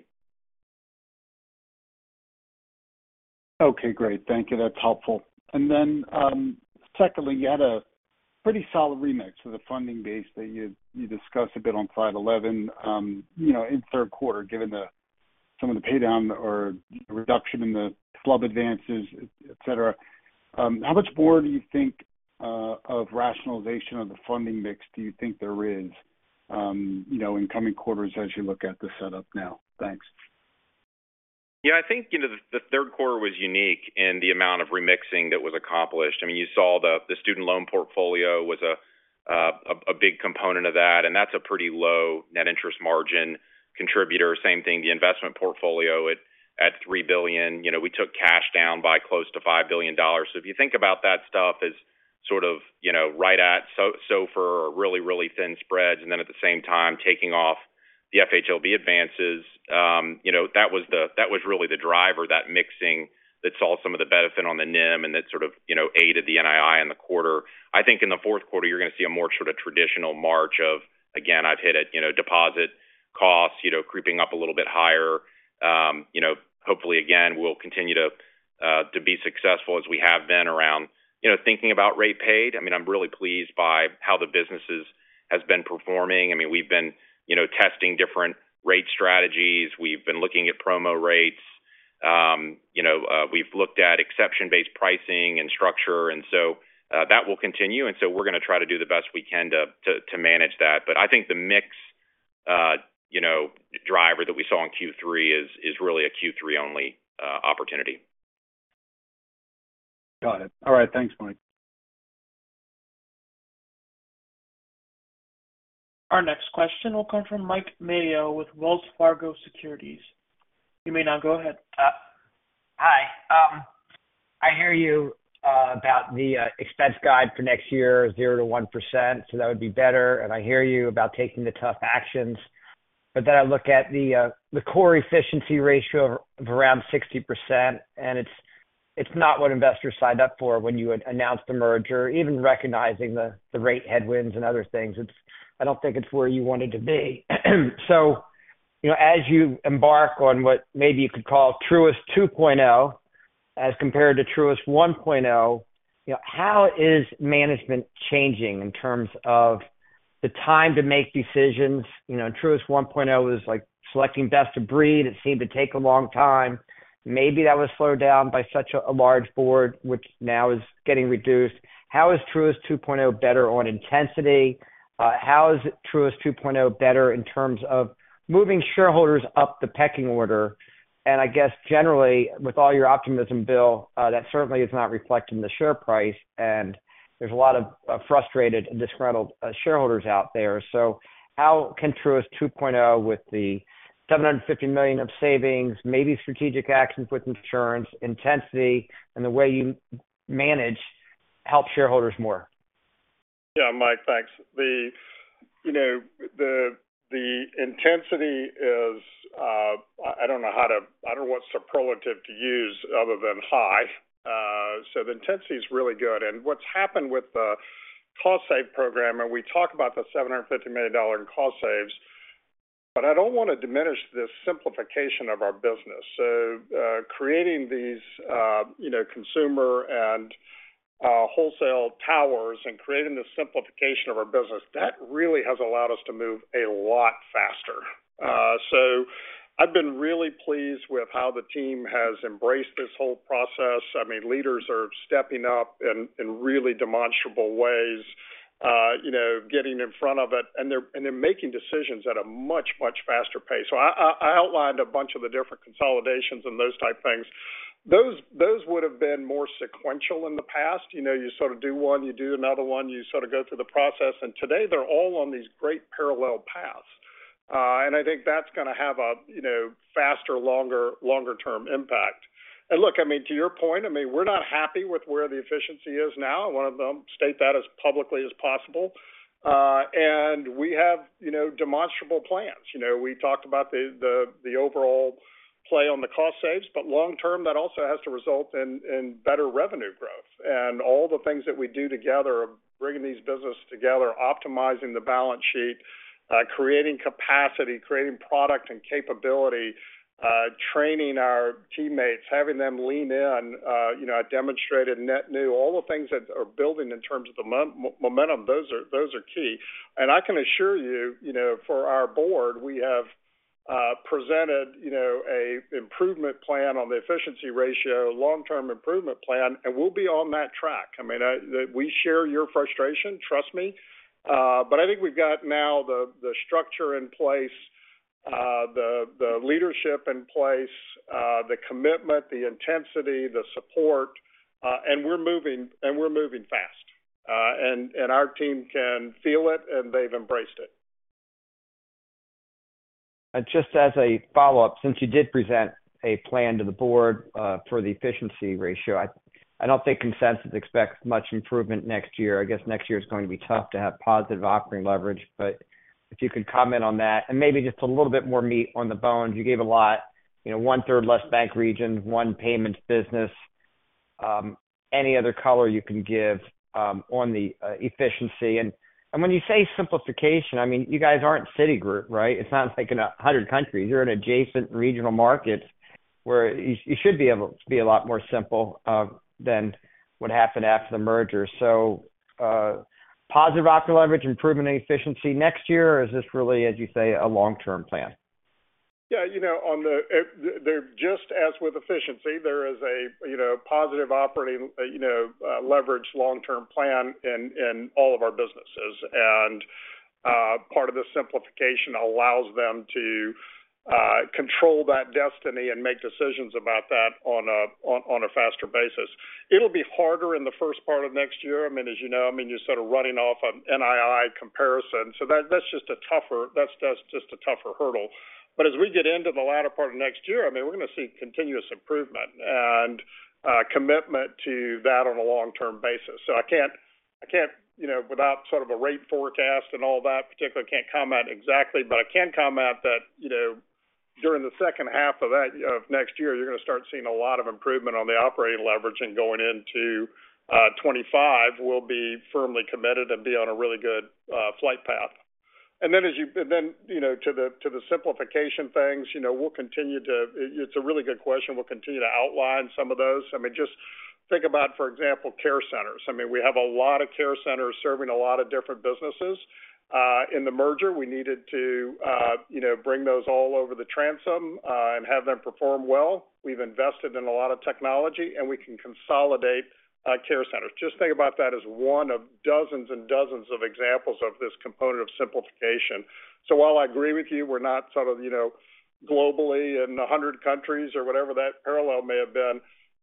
Okay, great. Thank you. That's helpful. And then, secondly, you had a pretty solid remix with the funding base that you discussed a bit on slide 11, you know, in Q3, given some of the pay down or reduction in the club advances, et cetera. How much more do you think of rationalization of the funding mix there is, you know, in coming quarters as you look at the setup now? Thanks. ...Yeah, I think, you know, the Q3 was unique in the amount of remixing that was accomplished. I mean, you saw the student loan portfolio was a big component of that, and that's a pretty low net interest margin contributor. Same thing, the investment portfolio at $3 billion, you know, we took cash down by close to $5 billion. So if you think about that stuff as sort of, you know, right at SOFR or really, really thin spreads, and then at the same time taking off the FHLB advances, you know, that was the driver, that mixing, that saw some of the benefit on the NIM and that sort of, you know, aided the NII in the quarter. I think in the Q4, you're going to see a more sort of traditional march of, again, I've hit it, you know, deposit costs, you know, creeping up a little bit higher. You know, hopefully, again, we'll continue to be successful as we have been around, you know, thinking about rate paid. I mean, I'm really pleased by how the businesses has been performing. I mean, we've been, you know, testing different rate strategies. We've been looking at promo rates. You know, we've looked at exception-based pricing and structure, and so, that will continue. And so we're going to try to do the best we can to manage that. But I think the mix, you know, driver that we saw in Q3 is really a Q3-only opportunity. Got it. All right. Thanks, Mike. Our next question will come from Mike Mayo with Wells Fargo Securities. You may now go ahead. Hi. I hear you about the expense guide for next year, 0%-1%, so that would be better. And I hear you about taking the tough actions. But then I look at the core efficiency ratio of around 60%, and it's not what investors signed up for when you had announced the merger, even recognizing the rate headwinds and other things. It's. I don't think it's where you wanted to be. So, you know, as you embark on what maybe you could call Truist 2.0, as compared to Truist 1.0, you know, how is management changing in terms of the time to make decisions? You know, Truist 1.0 was like selecting best of breed. It seemed to take a long time. Maybe that was slowed down by such a large board, which now is getting reduced. How is Truist 2.0 better on intensity? How is Truist 2.0 better in terms of moving shareholders up the pecking order? And I guess generally, with all your optimism, Bill, that certainly is not reflected in the share price, and there's a lot of frustrated and disgruntled shareholders out there. So how can Truist 2.0, with the $750 million of savings, maybe strategic actions with insurance, intensity, and the way you manage, help shareholders more? Yeah, Mike, thanks. You know, the intensity is, I don't know how to—I don't know what superlative to use other than high. So the intensity is really good. And what's happened with the cost save program, and we talk about the $750 million in cost saves, but I don't want to diminish the simplification of our business. So, creating these, you know, consumer and wholesale towers and creating the simplification of our business, that really has allowed us to move a lot faster. So I've been really pleased with how the team has embraced this whole process. I mean, leaders are stepping up in really demonstrable ways, you know, getting in front of it, and they're making decisions at a much, much faster pace. So I outlined a bunch of the different consolidations and those type things. Those would have been more sequential in the past. You know, you sort of do one, you do another one, you sort of go through the process. And today, they're all on these great parallel paths. And I think that's going to have a, you know, faster, longer-term impact. And look, I mean, to your point, I mean, we're not happy with where the efficiency is now. I want to state that as publicly as possible. And we have, you know, demonstrable plans. You know, we talked about the overall play on the cost saves, but long term, that also has to result in better revenue growth. All the things that we do together, bringing these businesses together, optimizing the balance sheet, creating capacity, creating product and capability, training our teammates, having them lean in, you know, I demonstrated net new, all the things that are building in terms of the momentum, those are, those are key. I can assure you, you know, for our board, we have presented, you know, a improvement plan on the efficiency ratio, long-term improvement plan, and we'll be on that track. I mean, we share your frustration, trust me. But I think we've got now the structure in place, the leadership in place, the commitment, the intensity, the support, and we're moving, and we're moving fast. And our team can feel it, and they've embraced it. Just as a follow-up, since you did present a plan to the board for the efficiency ratio, I don't think consensus expects much improvement next year. I guess next year is going to be tough to have positive operating leverage. But if you could comment on that and maybe just a little bit more meat on the bones. You gave a lot, you know, 1/3 less bank region, one payments business. Any other color you can give on the efficiency? And when you say simplification, I mean, you guys aren't Citigroup, right? It's not like in 100 countries. You're in adjacent regional markets where you should be able to be a lot more simple than what happened after the merger. So, positive operating leverage, improvement in efficiency next year, or is this really, as you say, a long-term plan? Yeah, you know, on the, just as with efficiency, there is a, you know, positive operating, you know, leverage long-term plan in, in all of our businesses. And, part of the simplification allows them to, control that destiny and make decisions about that on a, on, on a faster basis. It'll be harder in the first part of next year. I mean, as you know, I mean, you're sort of running off on NII comparison. So that's just a tougher hurdle. But as we get into the latter part of next year, I mean, we're going to see continuous improvement and, commitment to that on a long-term basis. So I can't, I can't, you know, without sort of a rate forecast and all that, particularly, I can't comment exactly, but I can comment that, you know, during the second half of next year, you're going to start seeing a lot of improvement on the operating leverage. And going into 2025, we'll be firmly committed and be on a really good flight path. And then, you know, to the simplification things, you know, we'll continue to. It's a really good question. We'll continue to outline some of those. I mean, just think about, for example, care centers. I mean, we have a lot of care centers serving a lot of different businesses. In the merger, we needed to, you know, bring those all over the transom and have them perform well. We've invested in a lot of technology, and we can consolidate care centers. Just think about that as one of dozens and dozens of examples of this component of simplification. So while I agree with you, we're not sort of, you know, globally in a hundred countries or whatever that parallel may have been,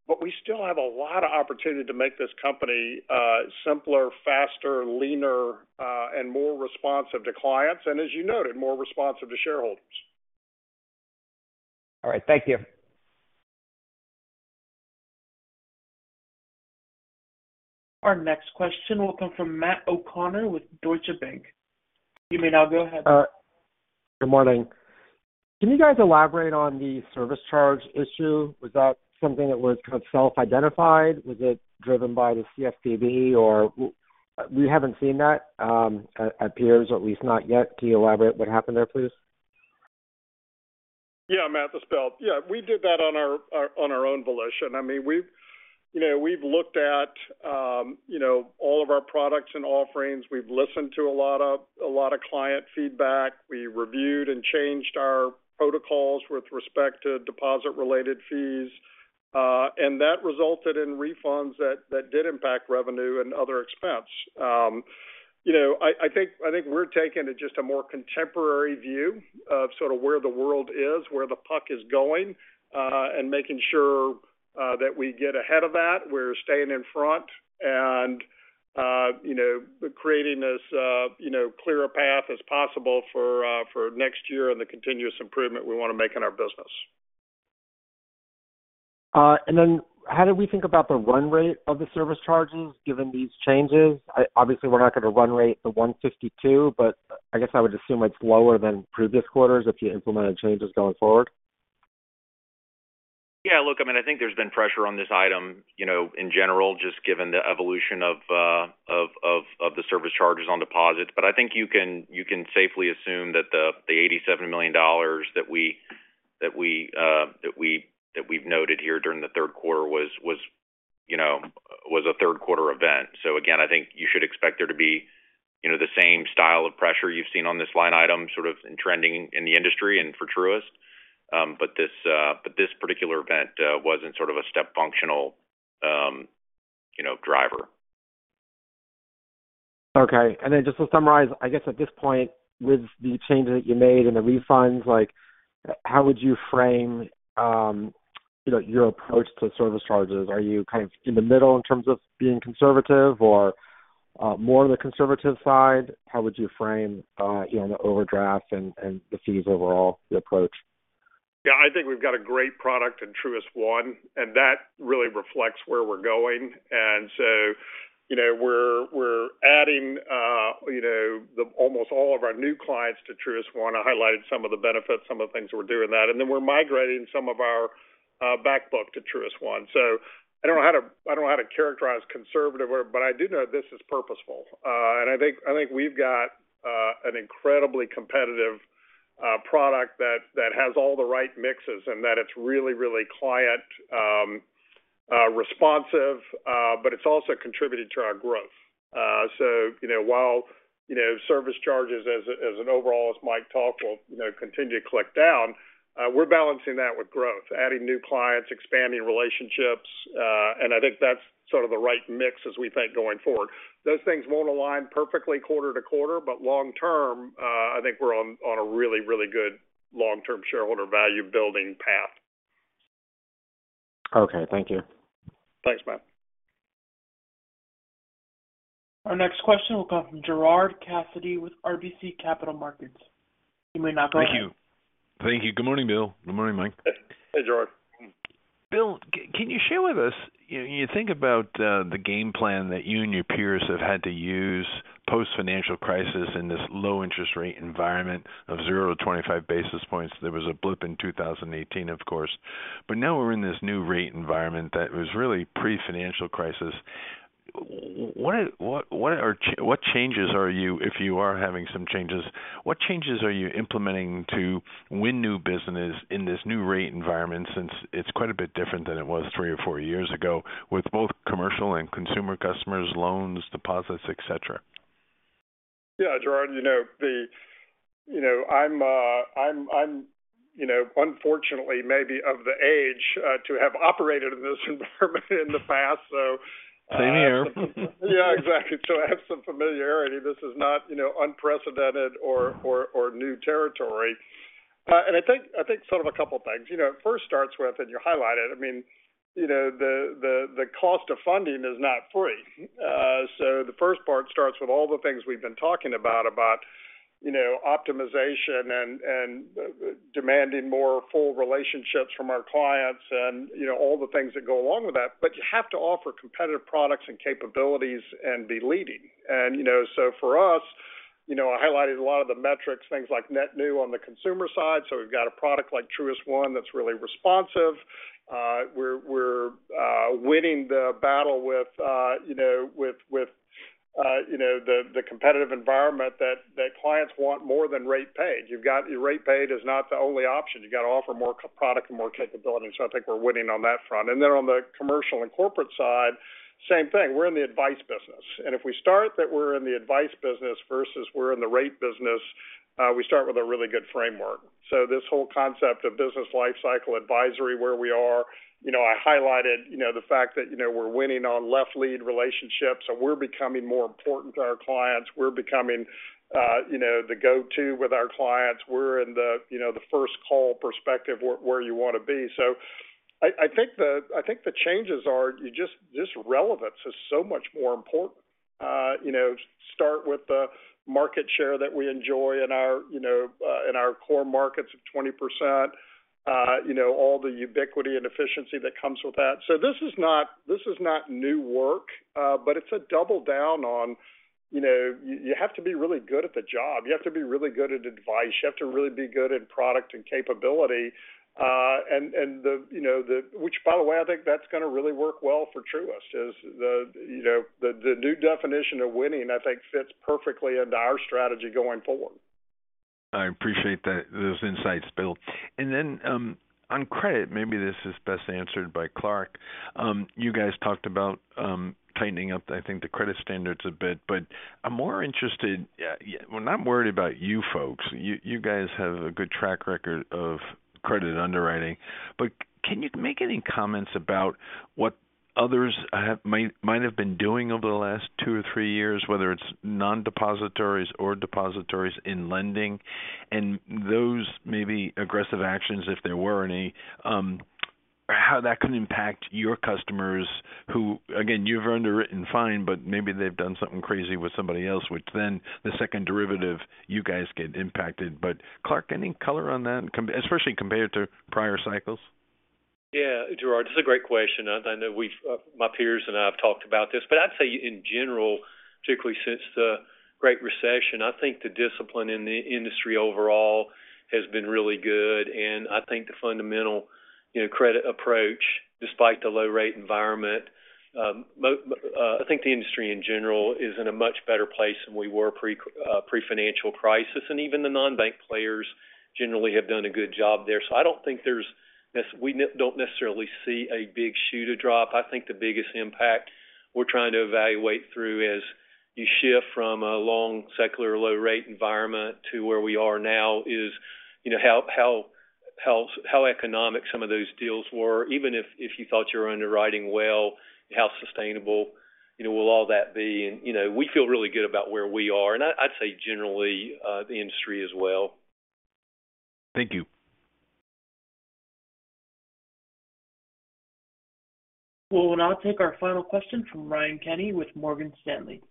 but we still have a lot of opportunity to make this company simpler, faster, leaner, and more responsive to clients, and as you noted, more responsive to shareholders. All right. Thank you. Our next question will come from Matt O'Connor with Deutsche Bank. You may now go ahead. Good morning. Can you guys elaborate on the service charge issue? Was that something that was kind of self-identified? Was it driven by the CFPB, or we haven't seen that at peers, at least not yet. Can you elaborate what happened there, please? Yeah, Matt, this is Bill. Yeah, we did that on our own volition. I mean, we've, you know, we've looked at, you know, all of our products and offerings. We've listened to a lot of, a lot of client feedback. We reviewed and changed our protocols with respect to deposit-related fees, and that resulted in refunds that, that did impact revenue and other expense. You know, I, I think, I think we're taking it just a more contemporary view of sort of where the world is, where the puck is going, and making sure that we get ahead of that. We're staying in front and, you know, creating as, you know, clear a path as possible for, for next year and the continuous improvement we want to make in our business. And then how do we think about the run rate of the service charges, given these changes? Obviously, we're not going to run rate the $152, but I guess I would assume it's lower than previous quarters if you implemented changes going forward. Yeah, look, I mean, I think there's been pressure on this item, you know, in general, just given the evolution of the service charges on deposits. But I think you can safely assume that the $87 million that we've noted here during the Q3 was, you know, a Q3 event. So again, I think you should expect there to be, you know, the same style of pressure you've seen on this line item, sort of trending in the industry and for Truist. But this particular event wasn't sort of a step function, you know, driver. Okay. And then just to summarize, I guess at this point, with the changes that you made and the refunds, like, how would you frame, you know, your approach to service charges? Are you kind of in the middle in terms of being conservative or, more on the conservative side? How would you frame, you know, the overdraft and, and the fees overall, the approach? Yeah, I think we've got a great product in Truist One, and that really reflects where we're going. And so, you know, we're adding, you know, the almost all of our new clients to Truist One. I highlighted some of the benefits, some of the things we're doing in that, and then we're migrating some of our, back book to Truist One. So I don't know how to characterize conservative, but I do know this is purposeful. And I think we've got an incredibly competitive product that has all the right mixes and that it's really, really client responsive, but it's also contributed to our growth. So, you know, while service charges, as an overall, as Mike talked, will, you know, continue to click down, we're balancing that with growth, adding new clients, expanding relationships, and I think that's sort of the right mix as we think going forward. Those things won't align perfectly quarter to quarter, but long term, I think we're on a really, really good long-term shareholder value-building path. Okay. Thank you. Thanks, Matt. Our next question will come from Gerard Cassidy with RBC Capital Markets. You may now go ahead. Thank you. Thank you. Good morning, Bill. Good morning, Mike. Hey, Gerard. Bill, can you share with us you think about the game plan that you and your peers have had to use post-financial crisis in this low interest rate environment of 0-25 basis points? There was a blip in 2018, of course, but now we're in this new rate environment that was really pre-financial crisis. If you are having some changes, what changes are you implementing to win new business in this new rate environment, since it's quite a bit different than it was three or four years ago, with both commercial and consumer customers, loans, deposits, et cetera? Yeah, Gerard, you know, you know, I'm you know, unfortunately, maybe of the age to have operated in this environment in the past, so- Same here. Yeah, exactly. So I have some familiarity. This is not, you know, unprecedented or new territory. And I think sort of a couple things. You know, it first starts with, and you highlight it, I mean, you know, the cost of funding is not free. So the first part starts with all the things we've been talking about, about, you know, optimization and demanding more full relationships from our clients and, you know, all the things that go along with that. But you have to offer competitive products and capabilities and be leading. And, you know, so for us, you know, I highlighted a lot of the metrics, things like net new on the consumer side. So we've got a product like Truist One that's really responsive. We're winning the battle with you know, with the competitive environment that clients want more than rate paid. You've got your rate paid is not the only option. You got to offer more product and more capability. So I think we're winning on that front. And then on the commercial and corporate side, same thing. We're in the advice business, and if we start that we're in the advice business versus we're in the rate business, we start with a really good framework. So this whole concept of Business Lifecycle Advisory, where we are, you know, I highlighted, you know, the fact that, you know, we're winning on left lead relationships, and we're becoming more important to our clients. We're becoming you know, the go-to with our clients. We're in the, you know, the first call perspective where you want to be. So I think the changes are you just—just relevance is so much more important. You know, start with the market share that we enjoy in our, you know, in our core markets of 20%. You know, all the ubiquity and efficiency that comes with that. So this is not, this is not new work, but it's a double down on, you know, you have to be really good at the job. You have to be really good at advice. You have to really be good at product and capability. And the, you know, which, by the way, I think that's going to really work well for Truist, is the, you know, the new definition of winning, I think, fits perfectly into our strategy going forward. I appreciate that, those insights, Bill. And then, on credit, maybe this is best answered by Clarke. You guys talked about, tightening up, I think, the credit standards a bit, but I'm more interested... Yeah, we're not worried about you folks. You, you guys have a good track record of credit underwriting. But can you make any comments about what others have, might, might have been doing over the last two or three years, whether it's non-depositories or depositories in lending? And those may be aggressive actions, if there were any, how that could impact your customers who, again, you've underwritten fine, but maybe they've done something crazy with somebody else, which then the second derivative, you guys get impacted. But Clarke, any color on that, especially compared to prior cycles? Yeah, Gerard, it's a great question. I know we've, my peers and I have talked about this, but I'd say in general, particularly since the Great Recession, I think the discipline in the industry overall has been really good. And I think the fundamental, you know, credit approach, despite the low rate environment, I think the industry in general is in a much better place than we were pre-financial crisis, and even the non-bank players generally have done a good job there. So I don't think there's, we don't necessarily see a big shoe to drop. I think the biggest impact we're trying to evaluate through as you shift from a long secular low rate environment to where we are now is, you know, how economic some of those deals were, even if you thought you were underwriting well, how sustainable, you know, will all that be? And, you know, we feel really good about where we are, and I'd say generally the industry as well. Thank you. We will now take our final question from Ryan Kenny with Morgan Stanley.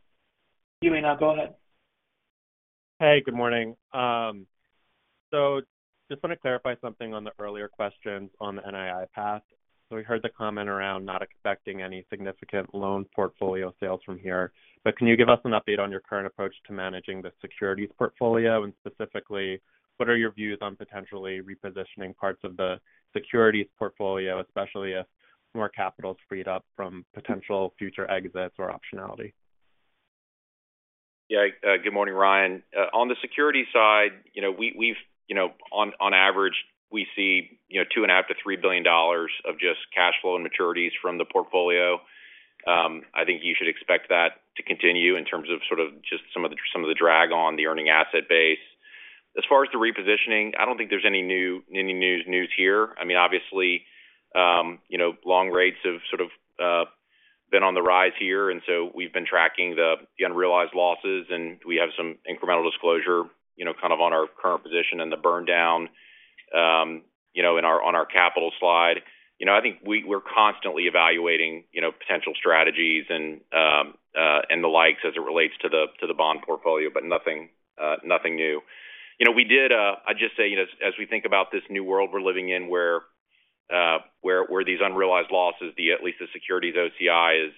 You may now go ahead. Hey, good morning. So just want to clarify something on the earlier questions on the NII path. So we heard the comment around not expecting any significant loan portfolio sales from here. But can you give us an update on your current approach to managing the securities portfolio, and specifically, what are your views on potentially repositioning parts of the securities portfolio, especially if more capital is freed up from potential future exits or optionality? Yeah. Good morning, Ryan. On the securities side, you know, we, we've, you know, on, on average, we see, you know, $2.5 billion-3 billion of just cash flow and maturities from the portfolio. I think you should expect that to continue in terms of sort of just some of the, some of the drag on the earning asset base. As far as the repositioning, I don't think there's any new, any new news here. I mean, obviously, you know, long rates have sort of been on the rise here, and so we've been tracking the unrealized losses, and we have some incremental disclosure, you know, kind of on our current position and the burn down, you know, in our on our capital slide. You know, I think we're constantly evaluating, you know, potential strategies and the likes as it relates to the bond portfolio, but nothing new. You know, we did, I'd just say, you know, as we think about this new world we're living in, where these unrealized losses, at least the securities OCI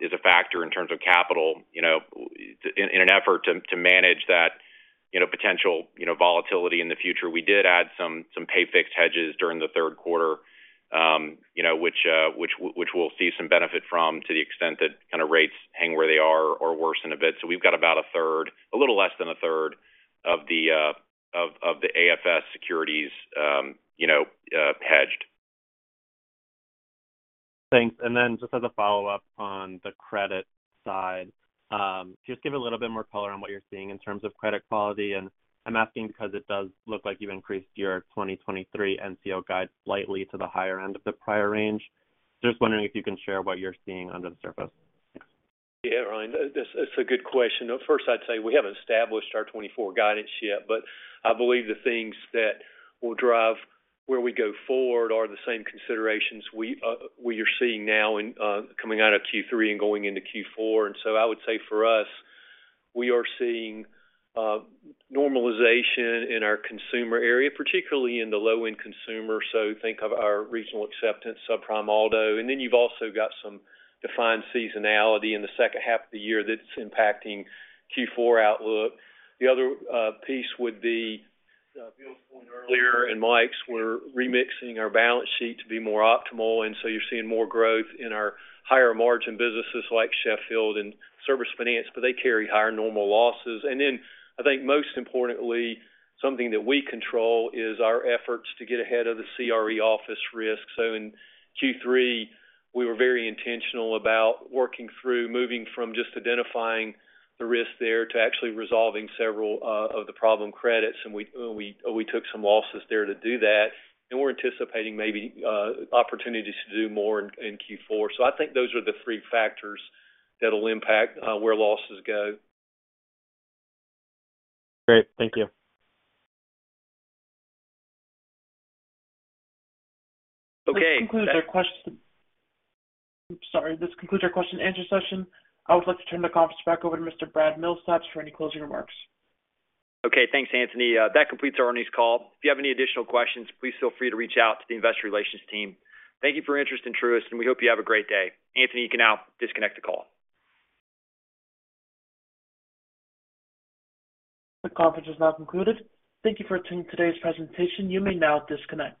is a factor in terms of capital, you know, in an effort to manage that, you know, potential volatility in the future, we did add some pay fixed hedges during the Q3, you know, which we'll see some benefit from to the extent that kind of rates hang where they are or worsen a bit. So we've got about a third, a little less than a third of the AFS securities, you know, hedged. ... Thanks. And then just as a follow-up on the credit side, just give a little bit more color on what you're seeing in terms of credit quality. And I'm asking because it does look like you've increased your 2023 NCO guide slightly to the higher end of the prior range. Just wondering if you can share what you're seeing under the surface. Thanks. Yeah, Ryan, that, that's a good question. First, I'd say we haven't established our 2024 guidance yet, but I believe the things that will drive where we go forward are the same considerations we, we are seeing now in, coming out of Q3 and going into Q4. And so I would say for us, we are seeing, normalization in our consumer area, particularly in the low-end consumer. So think of our Regional Acceptance, subprime auto, and then you've also got some defined seasonality in the second half of the year that's impacting Q4 outlook. The other, piece would be, Bill's point earlier, and Mike's, we're remixing our balance sheet to be more optimal, and so you're seeing more growth in our higher margin businesses like Sheffield and Service Finance, but they carry higher normal losses. And then I think most importantly, something that we control is our efforts to get ahead of the CRE office risk. So in Q3, we were very intentional about working through moving from just identifying the risk there to actually resolving several of the problem credits, and we took some losses there to do that, and we're anticipating maybe opportunities to do more in Q4. So I think those are the three factors that'll impact where losses go. Great. Thank you. Okay, this concludes our question... Sorry, this concludes our question and answer session. I would like to turn the conference back over to Mr. Brad Milsaps for any closing remarks. Okay, thanks, Anthony. That completes our earnings call. If you have any additional questions, please feel free to reach out to the investor relations team. Thank you for your interest in Truist, and we hope you have a great day. Anthony, you can now disconnect the call. The conference is now concluded. Thank you for attending today's presentation. You may now disconnect.